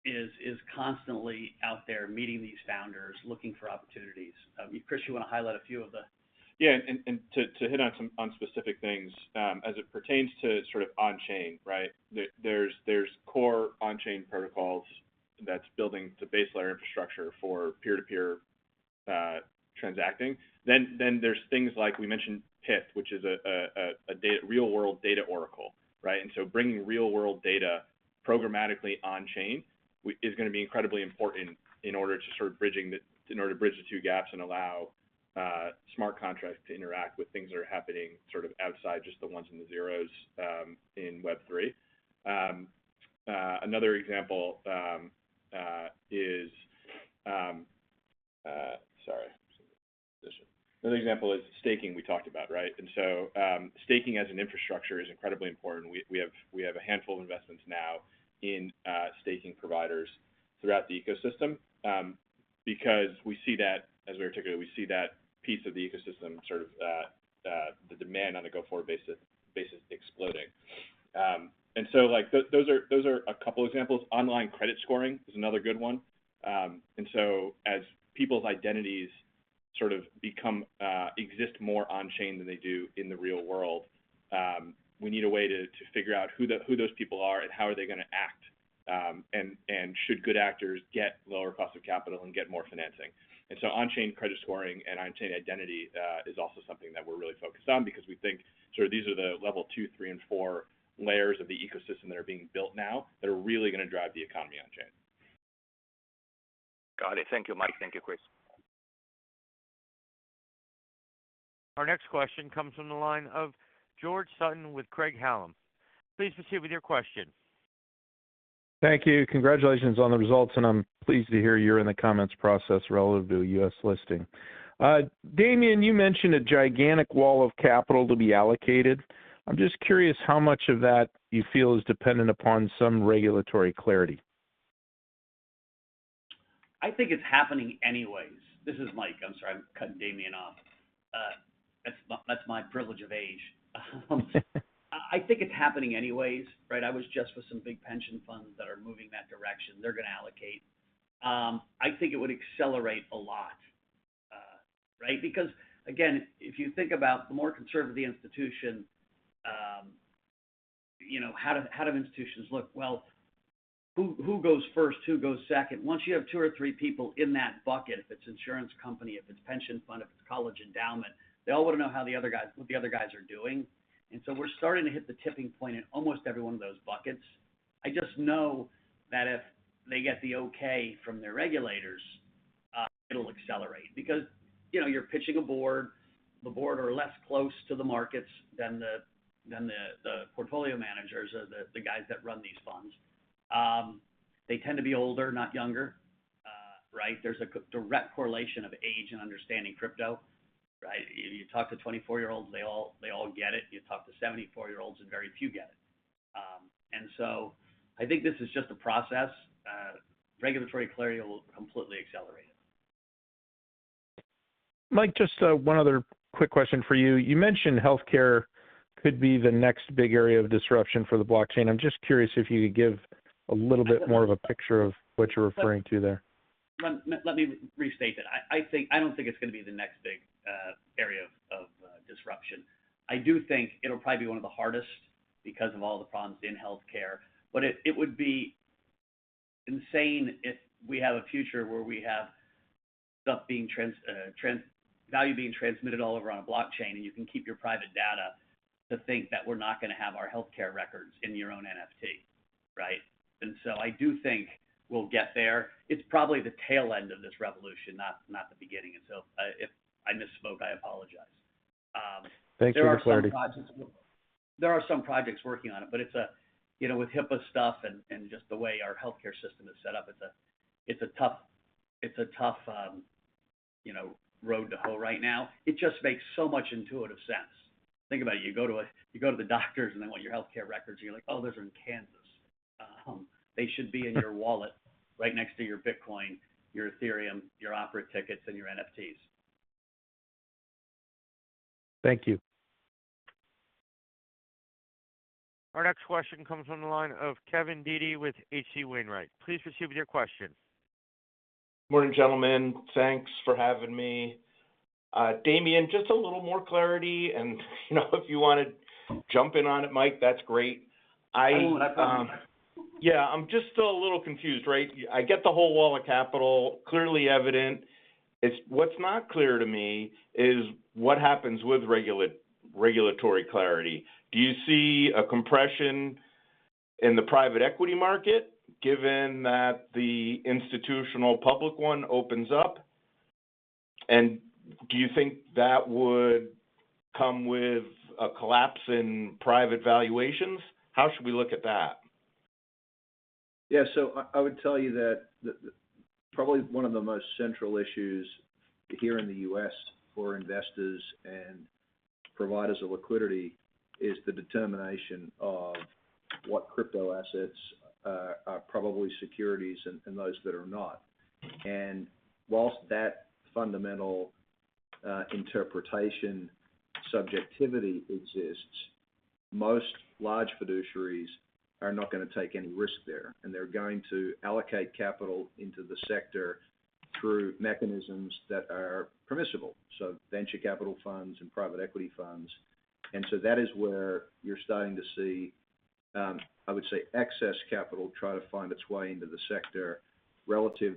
is constantly out there meeting these founders, looking for opportunities. Chris, you wanna highlight a few of the- To hit on some specific things as it pertains to sort of on-chain, right? There are core on-chain protocols that's building the base layer infrastructure for peer-to-peer transacting. Then there's things like we mentioned Pyth, which is a real world data oracle, right? Bringing real world data programmatically on-chain is gonna be incredibly important in order to bridge the two gaps and allow smart contracts to interact with things that are happening sort of outside just the ones and the zeros in Web3. Another example is staking we talked about, right? Staking as an infrastructure is incredibly important. We have a handful of investments now in staking providers throughout the ecosystem because we see that, as we articulated, we see that piece of the ecosystem sort of the demand on a go-forward basis exploding. Like, those are a couple examples. Online credit scoring is another good one. As people's identities sort of exist more on-chain than they do in the real world, we need a way to figure out who those people are and how they are gonna act and should good actors get lower cost of capital and get more financing. On-chain credit scoring and on-chain identity is also something that we're really focused on because we think sort of these are the level two, three and four layers of the ecosystem that are being built now that are really gonna drive the economy on-chain. Got it. Thank you, Mike. Thank you, Chris. Our next question comes from the line of George Sutton with Craig-Hallum. Please proceed with your question. Thank you. Congratulations on the results, and I'm pleased to hear you're in the comments process relative to a U.S. listing. Damien, you mentioned a gigantic wall of capital to be allocated. I'm just curious how much of that you feel is dependent upon some regulatory clarity. I think it's happening anyways. This is Mike. I'm sorry I'm cutting Damien off. That's my privilege of age. I think it's happening anyways, right? I was just with some big pension funds that are moving that direction. They're gonna allocate. I think it would accelerate a lot, right? Because again, if you think about the more conservative institution, you know, how do institutions look? Well, who goes first? Who goes second? Once you have two or three people in that bucket, if it's insurance company, if it's pension fund, if it's college endowment, they all wanna know what the other guys are doing. We're starting to hit the tipping point in almost every one of those buckets. I just know that if they get the okay from their regulators, it'll accelerate. Because, you know, you're pitching a board. The board are less close to the markets than the portfolio managers or the guys that run these funds. They tend to be older, not younger, right? There's a direct correlation of age and understanding crypto, right? You talk to 24-year-olds, they all get it. You talk to 74-year-olds and very few get it. I think this is just a process. Regulatory clarity will completely accelerate it. Mike, just, one other quick question for you. You mentioned healthcare could be the next big area of disruption for the blockchain. I'm just curious if you could give a little bit more of a picture of what you're referring to there. Let me restate that. I think I don't think it's gonna be the next big area of disruption. I do think it'll probably be one of the hardest because of all the problems in healthcare. It would be insane if we have a future where we have value being transmitted all around a blockchain and you can keep your private data, to think that we're not gonna have our healthcare records in your own NFT, right? I do think we'll get there. It's probably the tail end of this revolution, not the beginning. If I misspoke, I apologize. Thanks for your clarity. There are some projects working on it, but it's you know, with HIPAA stuff and just the way our healthcare system is set up, it's a tough you know, row to hoe right now. It just makes so much intuitive sense. Think about it. You go to the doctors, and they want your healthcare records, and you're like, "Oh, those are in Kansas." They should be in your wallet right next to your Bitcoin, your Ethereum, your opera tickets, and your NFTs. Thank you. Our next question comes from the line of Kevin Dede with H.C. Wainwright. Please proceed with your question. Morning, gentlemen. Thanks for having me. Damien, just a little more clarity and, you know, if you wanna jump in on it, Mike, that's great. I Oh, happy to. Yeah, I'm just still a little confused, right? I get the whole wall of capital, clearly evident. What's not clear to me is what happens with regulatory clarity. Do you see a compression in the private equity market given that the institutional public one opens up? And do you think that would come with a collapse in private valuations? How should we look at that? Yeah. I would tell you that the probably one of the most central issues here in the U.S. for investors and providers of liquidity is the determination of what crypto assets are probably securities and those that are not. While that fundamental interpretation subjectivity exists, most large fiduciaries are not gonna take any risk there, and they're going to allocate capital into the sector through mechanisms that are permissible. Venture capital funds and private equity funds. That is where you're starting to see I would say excess capital try to find its way into the sector relative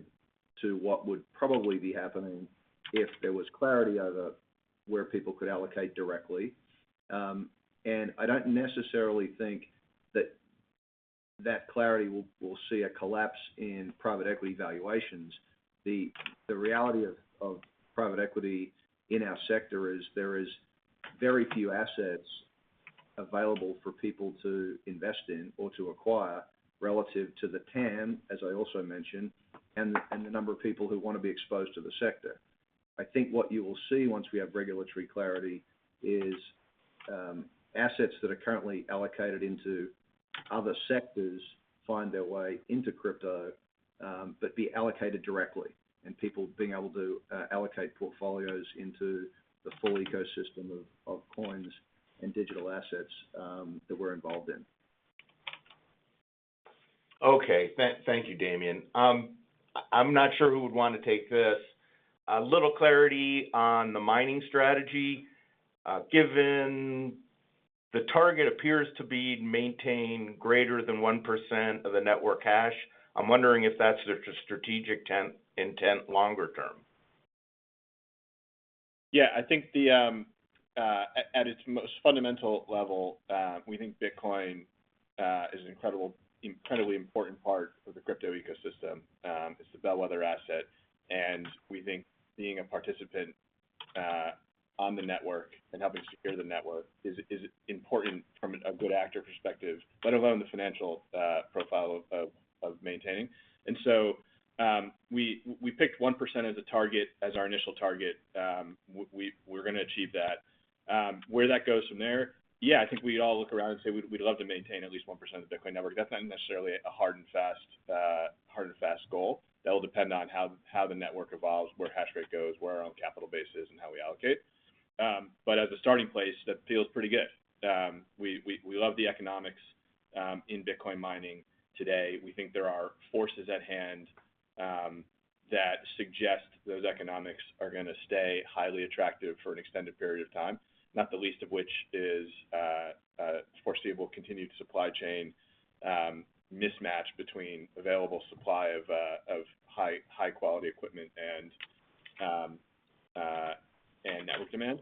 to what would probably be happening if there was clarity over where people could allocate directly. I don't necessarily think that clarity will see a collapse in private equity valuations. The reality of private equity in our sector there is very few assets available for people to invest in or to acquire relative to the TAM, as I also mentioned, and the number of people who wanna be exposed to the sector. I think what you will see once we have regulatory clarity is assets that are currently allocated into other sectors find their way into crypto, but be allocated directly, and people being able to allocate portfolios into the full ecosystem of coins and digital assets that we're involved in. Okay. Thank you, Damien. I'm not sure who would wanna take this. A little clarity on the mining strategy, given the target appears to be to maintain greater than 1% of the network hash. I'm wondering if that's the strategic intent longer term. Yeah. I think at its most fundamental level, we think Bitcoin is an incredibly important part of the crypto ecosystem. It's the bellwether asset, and we think being a participant on the network and helping secure the network is important from a good actor perspective, let alone the financial profile of maintaining. We picked 1% as a target, as our initial target. We're gonna achieve that. Where that goes from there, yeah, I think we all look around and say we'd love to maintain at least 1% of the Bitcoin network. That's not necessarily a hard and fast goal. That'll depend on how the network evolves, where hashrate goes, where our own capital base is, and how we allocate. As a starting place, that feels pretty good. We love the economics in Bitcoin mining today. We think there are forces at hand that suggest those economics are gonna stay highly attractive for an extended period of time, not the least of which is foreseeable continued supply chain mismatch between available supply of high-quality equipment and network demand.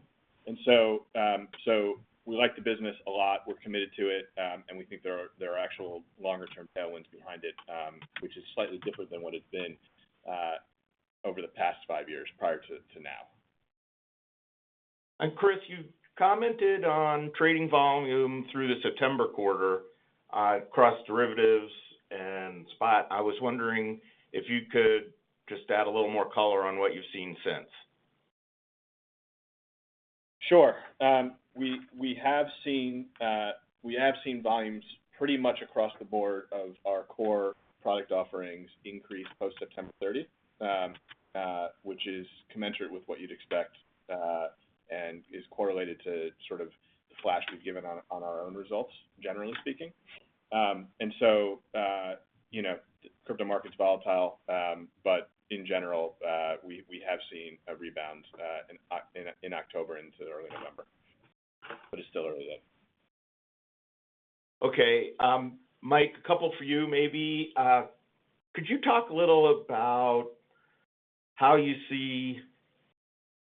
We like the business a lot, we're committed to it, and we think there are actual longer term tailwinds behind it, which is slightly different than what it's been over the past five years prior to now. Chris, you commented on trading volume through the September quarter, across derivatives and spot. I was wondering if you could just add a little more color on what you've seen since. Sure. We have seen volumes pretty much across the board of our core product offerings increase post September 30, which is commensurate with what you'd expect, and is correlated to sort of the flash we've given on our own results, generally speaking. You know, crypto market's volatile, but in general, we have seen a rebound in October into early November. It's still early though. Okay. Mike, a couple for you maybe. Could you talk a little about how you see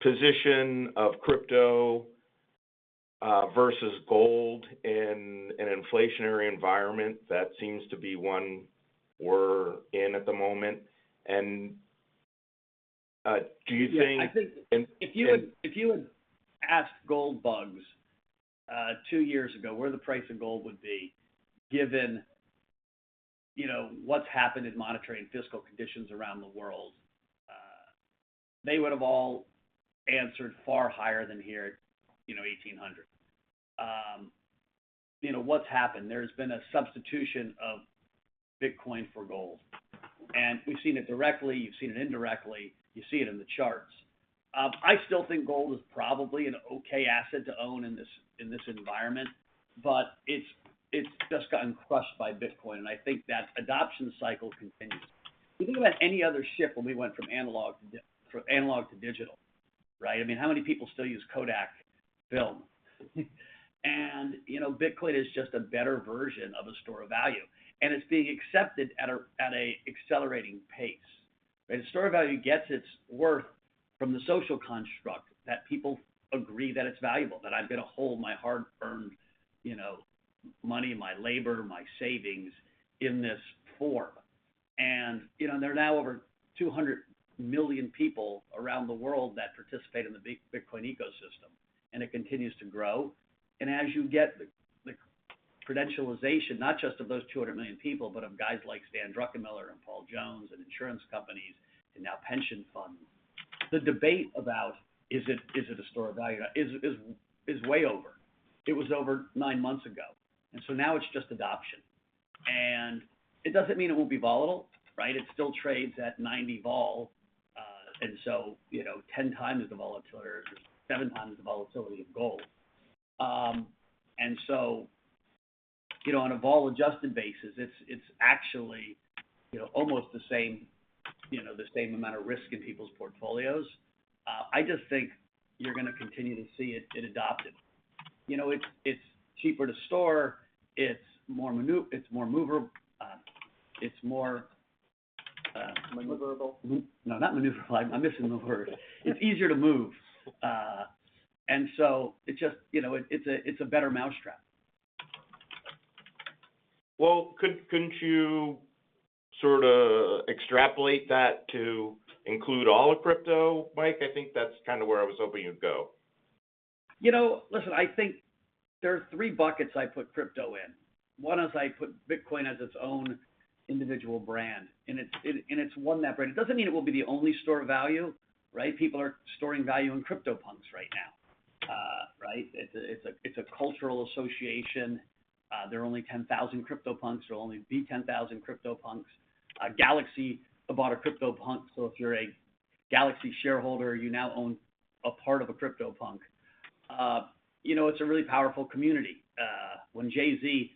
position of crypto versus gold in an inflationary environment, that seems to be one we're in at the moment. Do you think- Yeah, I think. And, and- If you had asked gold bugs, two years ago, where the price of gold would be given, you know, what's happened in monetary and fiscal conditions around the world, they would've all answered far higher than here at, you know, $1,800. You know, what's happened? There's been a substitution of Bitcoin for gold, and we've seen it directly, you've seen it indirectly, you see it in the charts. I still think gold is probably an okay asset to own in this environment, but it's just gotten crushed by Bitcoin, and I think that adoption cycle continues. If you think about any other shift when we went from analog to digital, right? I mean, how many people still use Kodak film? You know, Bitcoin is just a better version of a store of value, and it's being accepted at an accelerating pace. Store of value gets its worth from the social construct that people agree that it's valuable, that I'm gonna hold my hard-earned, you know, money, my labor, my savings in this form. You know, there are now over 200 million people around the world that participate in the Bitcoin ecosystem, and it continues to grow. As you get the credentialization, not just of those 200 million people, but of guys like Stan Druckenmiller and Paul Jones, and insurance companies, and now pension funds. The debate about is it a store of value is way over. It was over nine months ago. Now it's just adoption. It doesn't mean it won't be volatile, right? It still trades at 90 vol. You know, 10 times the volatility or 7 times the volatility of gold. You know, on a vol-adjusted basis, it's actually almost the same, you know, the same amount of risk in people's portfolios. I just think you're gonna continue to see it adopted. You know, it's cheaper to store, it's more maneuverable. Maneuverable? No, not maneuverable. I'm missing the word. It's easier to move. It just, you know, it's a better mousetrap. Well, couldn't you sorta extrapolate that to include all of crypto, Mike? I think that's kinda where I was hoping you'd go. You know, listen, I think there are three buckets I'd put crypto in. One is I'd put Bitcoin as its own individual brand, and it's one that. It doesn't mean it will be the only store of value, right? People are storing value in CryptoPunks right now, right? It's a cultural association. There are only 10,000 CryptoPunks. There will only be 10,000 CryptoPunks. Galaxy bought a CryptoPunk, so if you're a Galaxy shareholder, you now own a part of a CryptoPunk. You know, it's a really powerful community. When Jay-Z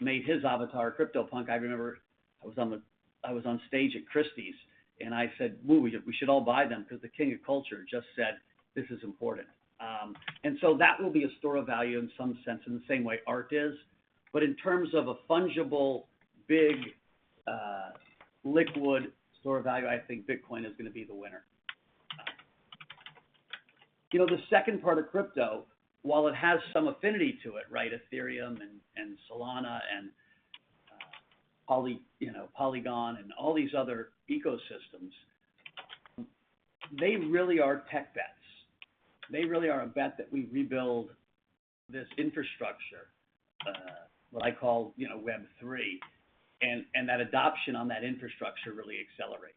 made his avatar a CryptoPunk, I remember I was on the I was on stage at Christie's, and I said, "Ooh, we should all buy them," 'cause the King of Culture just said, "This is important." That will be a store of value in some sense, in the same way art is. But in terms of a fungible, big, liquid store of value, I think Bitcoin is gonna be the winner. You know, the second part of crypto, while it has some affinity to it, right, Ethereum, and Solana, and you know, Polygon, and all these other ecosystems, they really are tech bets. They really are a bet that we rebuild this infrastructure, what I call, you know, Web 3, and that adoption on that infrastructure really accelerates.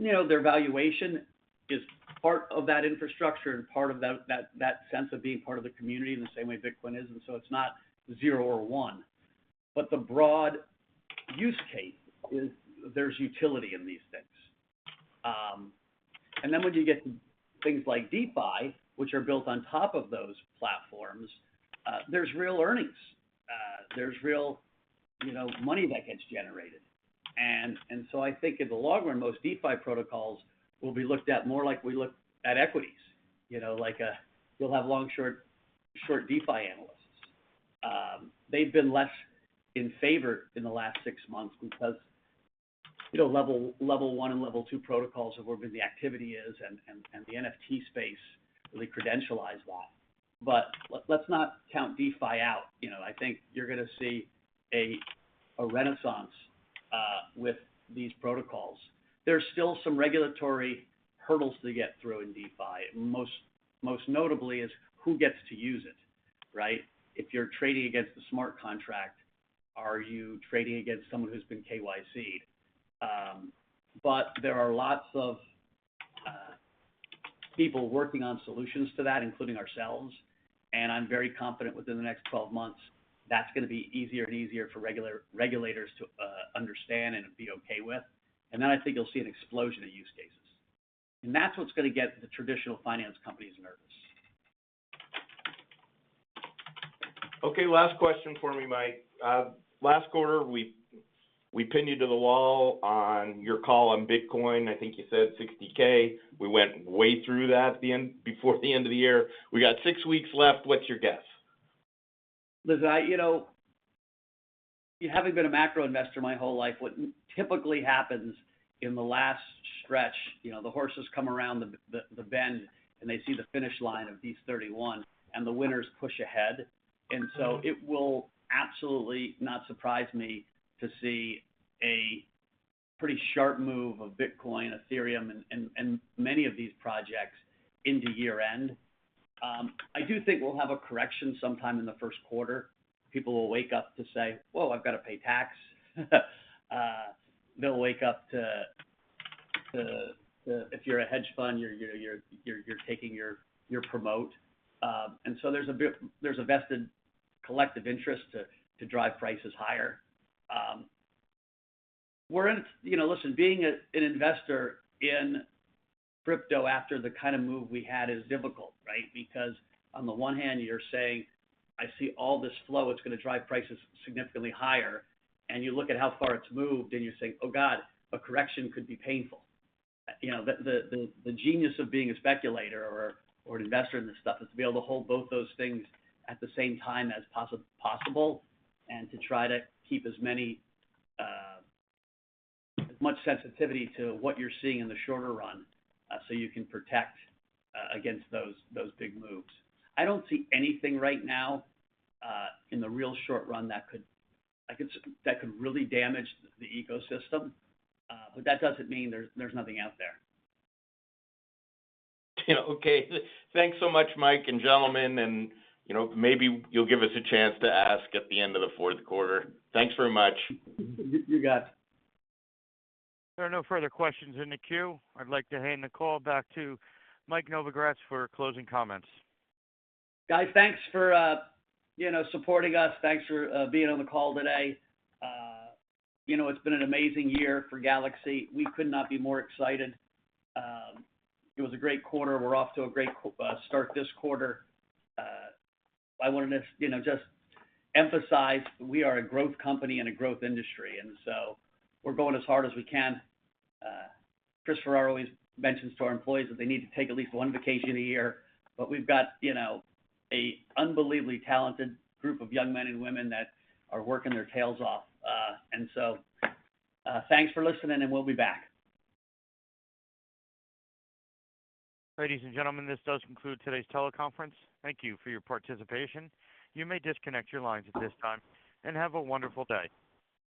You know, their valuation is part of that infrastructure and part of that sense of being part of the community in the same way Bitcoin is, and so it's not zero or one. The broad use case is there's utility in these things. When you get things like DeFi, which are built on top of those platforms, there's real earnings. There's real, you know, money that gets generated. I think in the long run, most DeFi protocols will be looked at more like we look at equities. You know, like, we'll have long-short, short DeFi analysts. They've been less in favor in the last six months because, you know, Layer 1 and Layer 2 protocols are where really the activity is, and the NFT space really decentralized a lot. Let's not count DeFi out. You know, I think you're gonna see a renaissance with these protocols. There's still some regulatory hurdles to get through in DeFi. Most notably is who gets to use it, right? If you're trading against the smart contract, are you trading against someone who's been KYC'd? There are lots of people working on solutions to that, including ourselves, and I'm very confident within the next 12 months, that's gonna be easier and easier for regulators to understand and be okay with. Then I think you'll see an explosion of use cases. That's what's gonna get the traditional finance companies nervous. Okay, last question for me, Mike. Last quarter, we pinned you to the wall on your call on Bitcoin. I think you said $60K. We went way past that before the end of the year. We got 6 weeks left. What's your guess? Listen, you know. Having been a macro investor my whole life, what typically happens in the last stretch, you know, the horses come around the bend and they see the finish line of these 31 and the winners push ahead. It will absolutely not surprise me to see a pretty sharp move of Bitcoin, Ethereum, and many of these projects into year-end. I do think we'll have a correction sometime in the first quarter. People will wake up to say, "Whoa, I've got to pay tax." They'll wake up. If you're a hedge fund, you're taking your promote. There's a vested collective interest to drive prices higher. We're in. You know, listen, being an investor in crypto after the kind of move we had is difficult, right? Because on the one hand, you're saying, "I see all this flow, it's gonna drive prices significantly higher." You look at how far it's moved and you're saying, "Oh God, a correction could be painful." You know, the genius of being a speculator or an investor in this stuff is to be able to hold both those things at the same time as possible, and to try to keep as much sensitivity to what you're seeing in the shorter run, so you can protect against those big moves. I don't see anything right now in the real short run that could really damage the ecosystem, but that doesn't mean there's nothing out there. Okay. Thanks so much, Mike and gentlemen, and you know, maybe you'll give us a chance to ask at the end of the fourth quarter. Thanks very much. You got it. There are no further questions in the queue. I'd like to hand the call back to Mike Novogratz for closing comments. Guys, thanks for you know, supporting us. Thanks for being on the call today. You know, it's been an amazing year for Galaxy. We could not be more excited. It was a great quarter. We're off to a great start this quarter. I wanted to you know, just emphasize we are a growth company in a growth industry. We're going as hard as we can. Chris Ferraro always mentions to our employees that they need to take at least one vacation a year, but we've got you know, a unbelievably talented group of young men and women that are working their tails off. Thanks for listening, and we'll be back. Ladies and gentlemen, this does conclude today's teleconference. Thank you for your participation. You may disconnect your lines at this time, and have a wonderful day.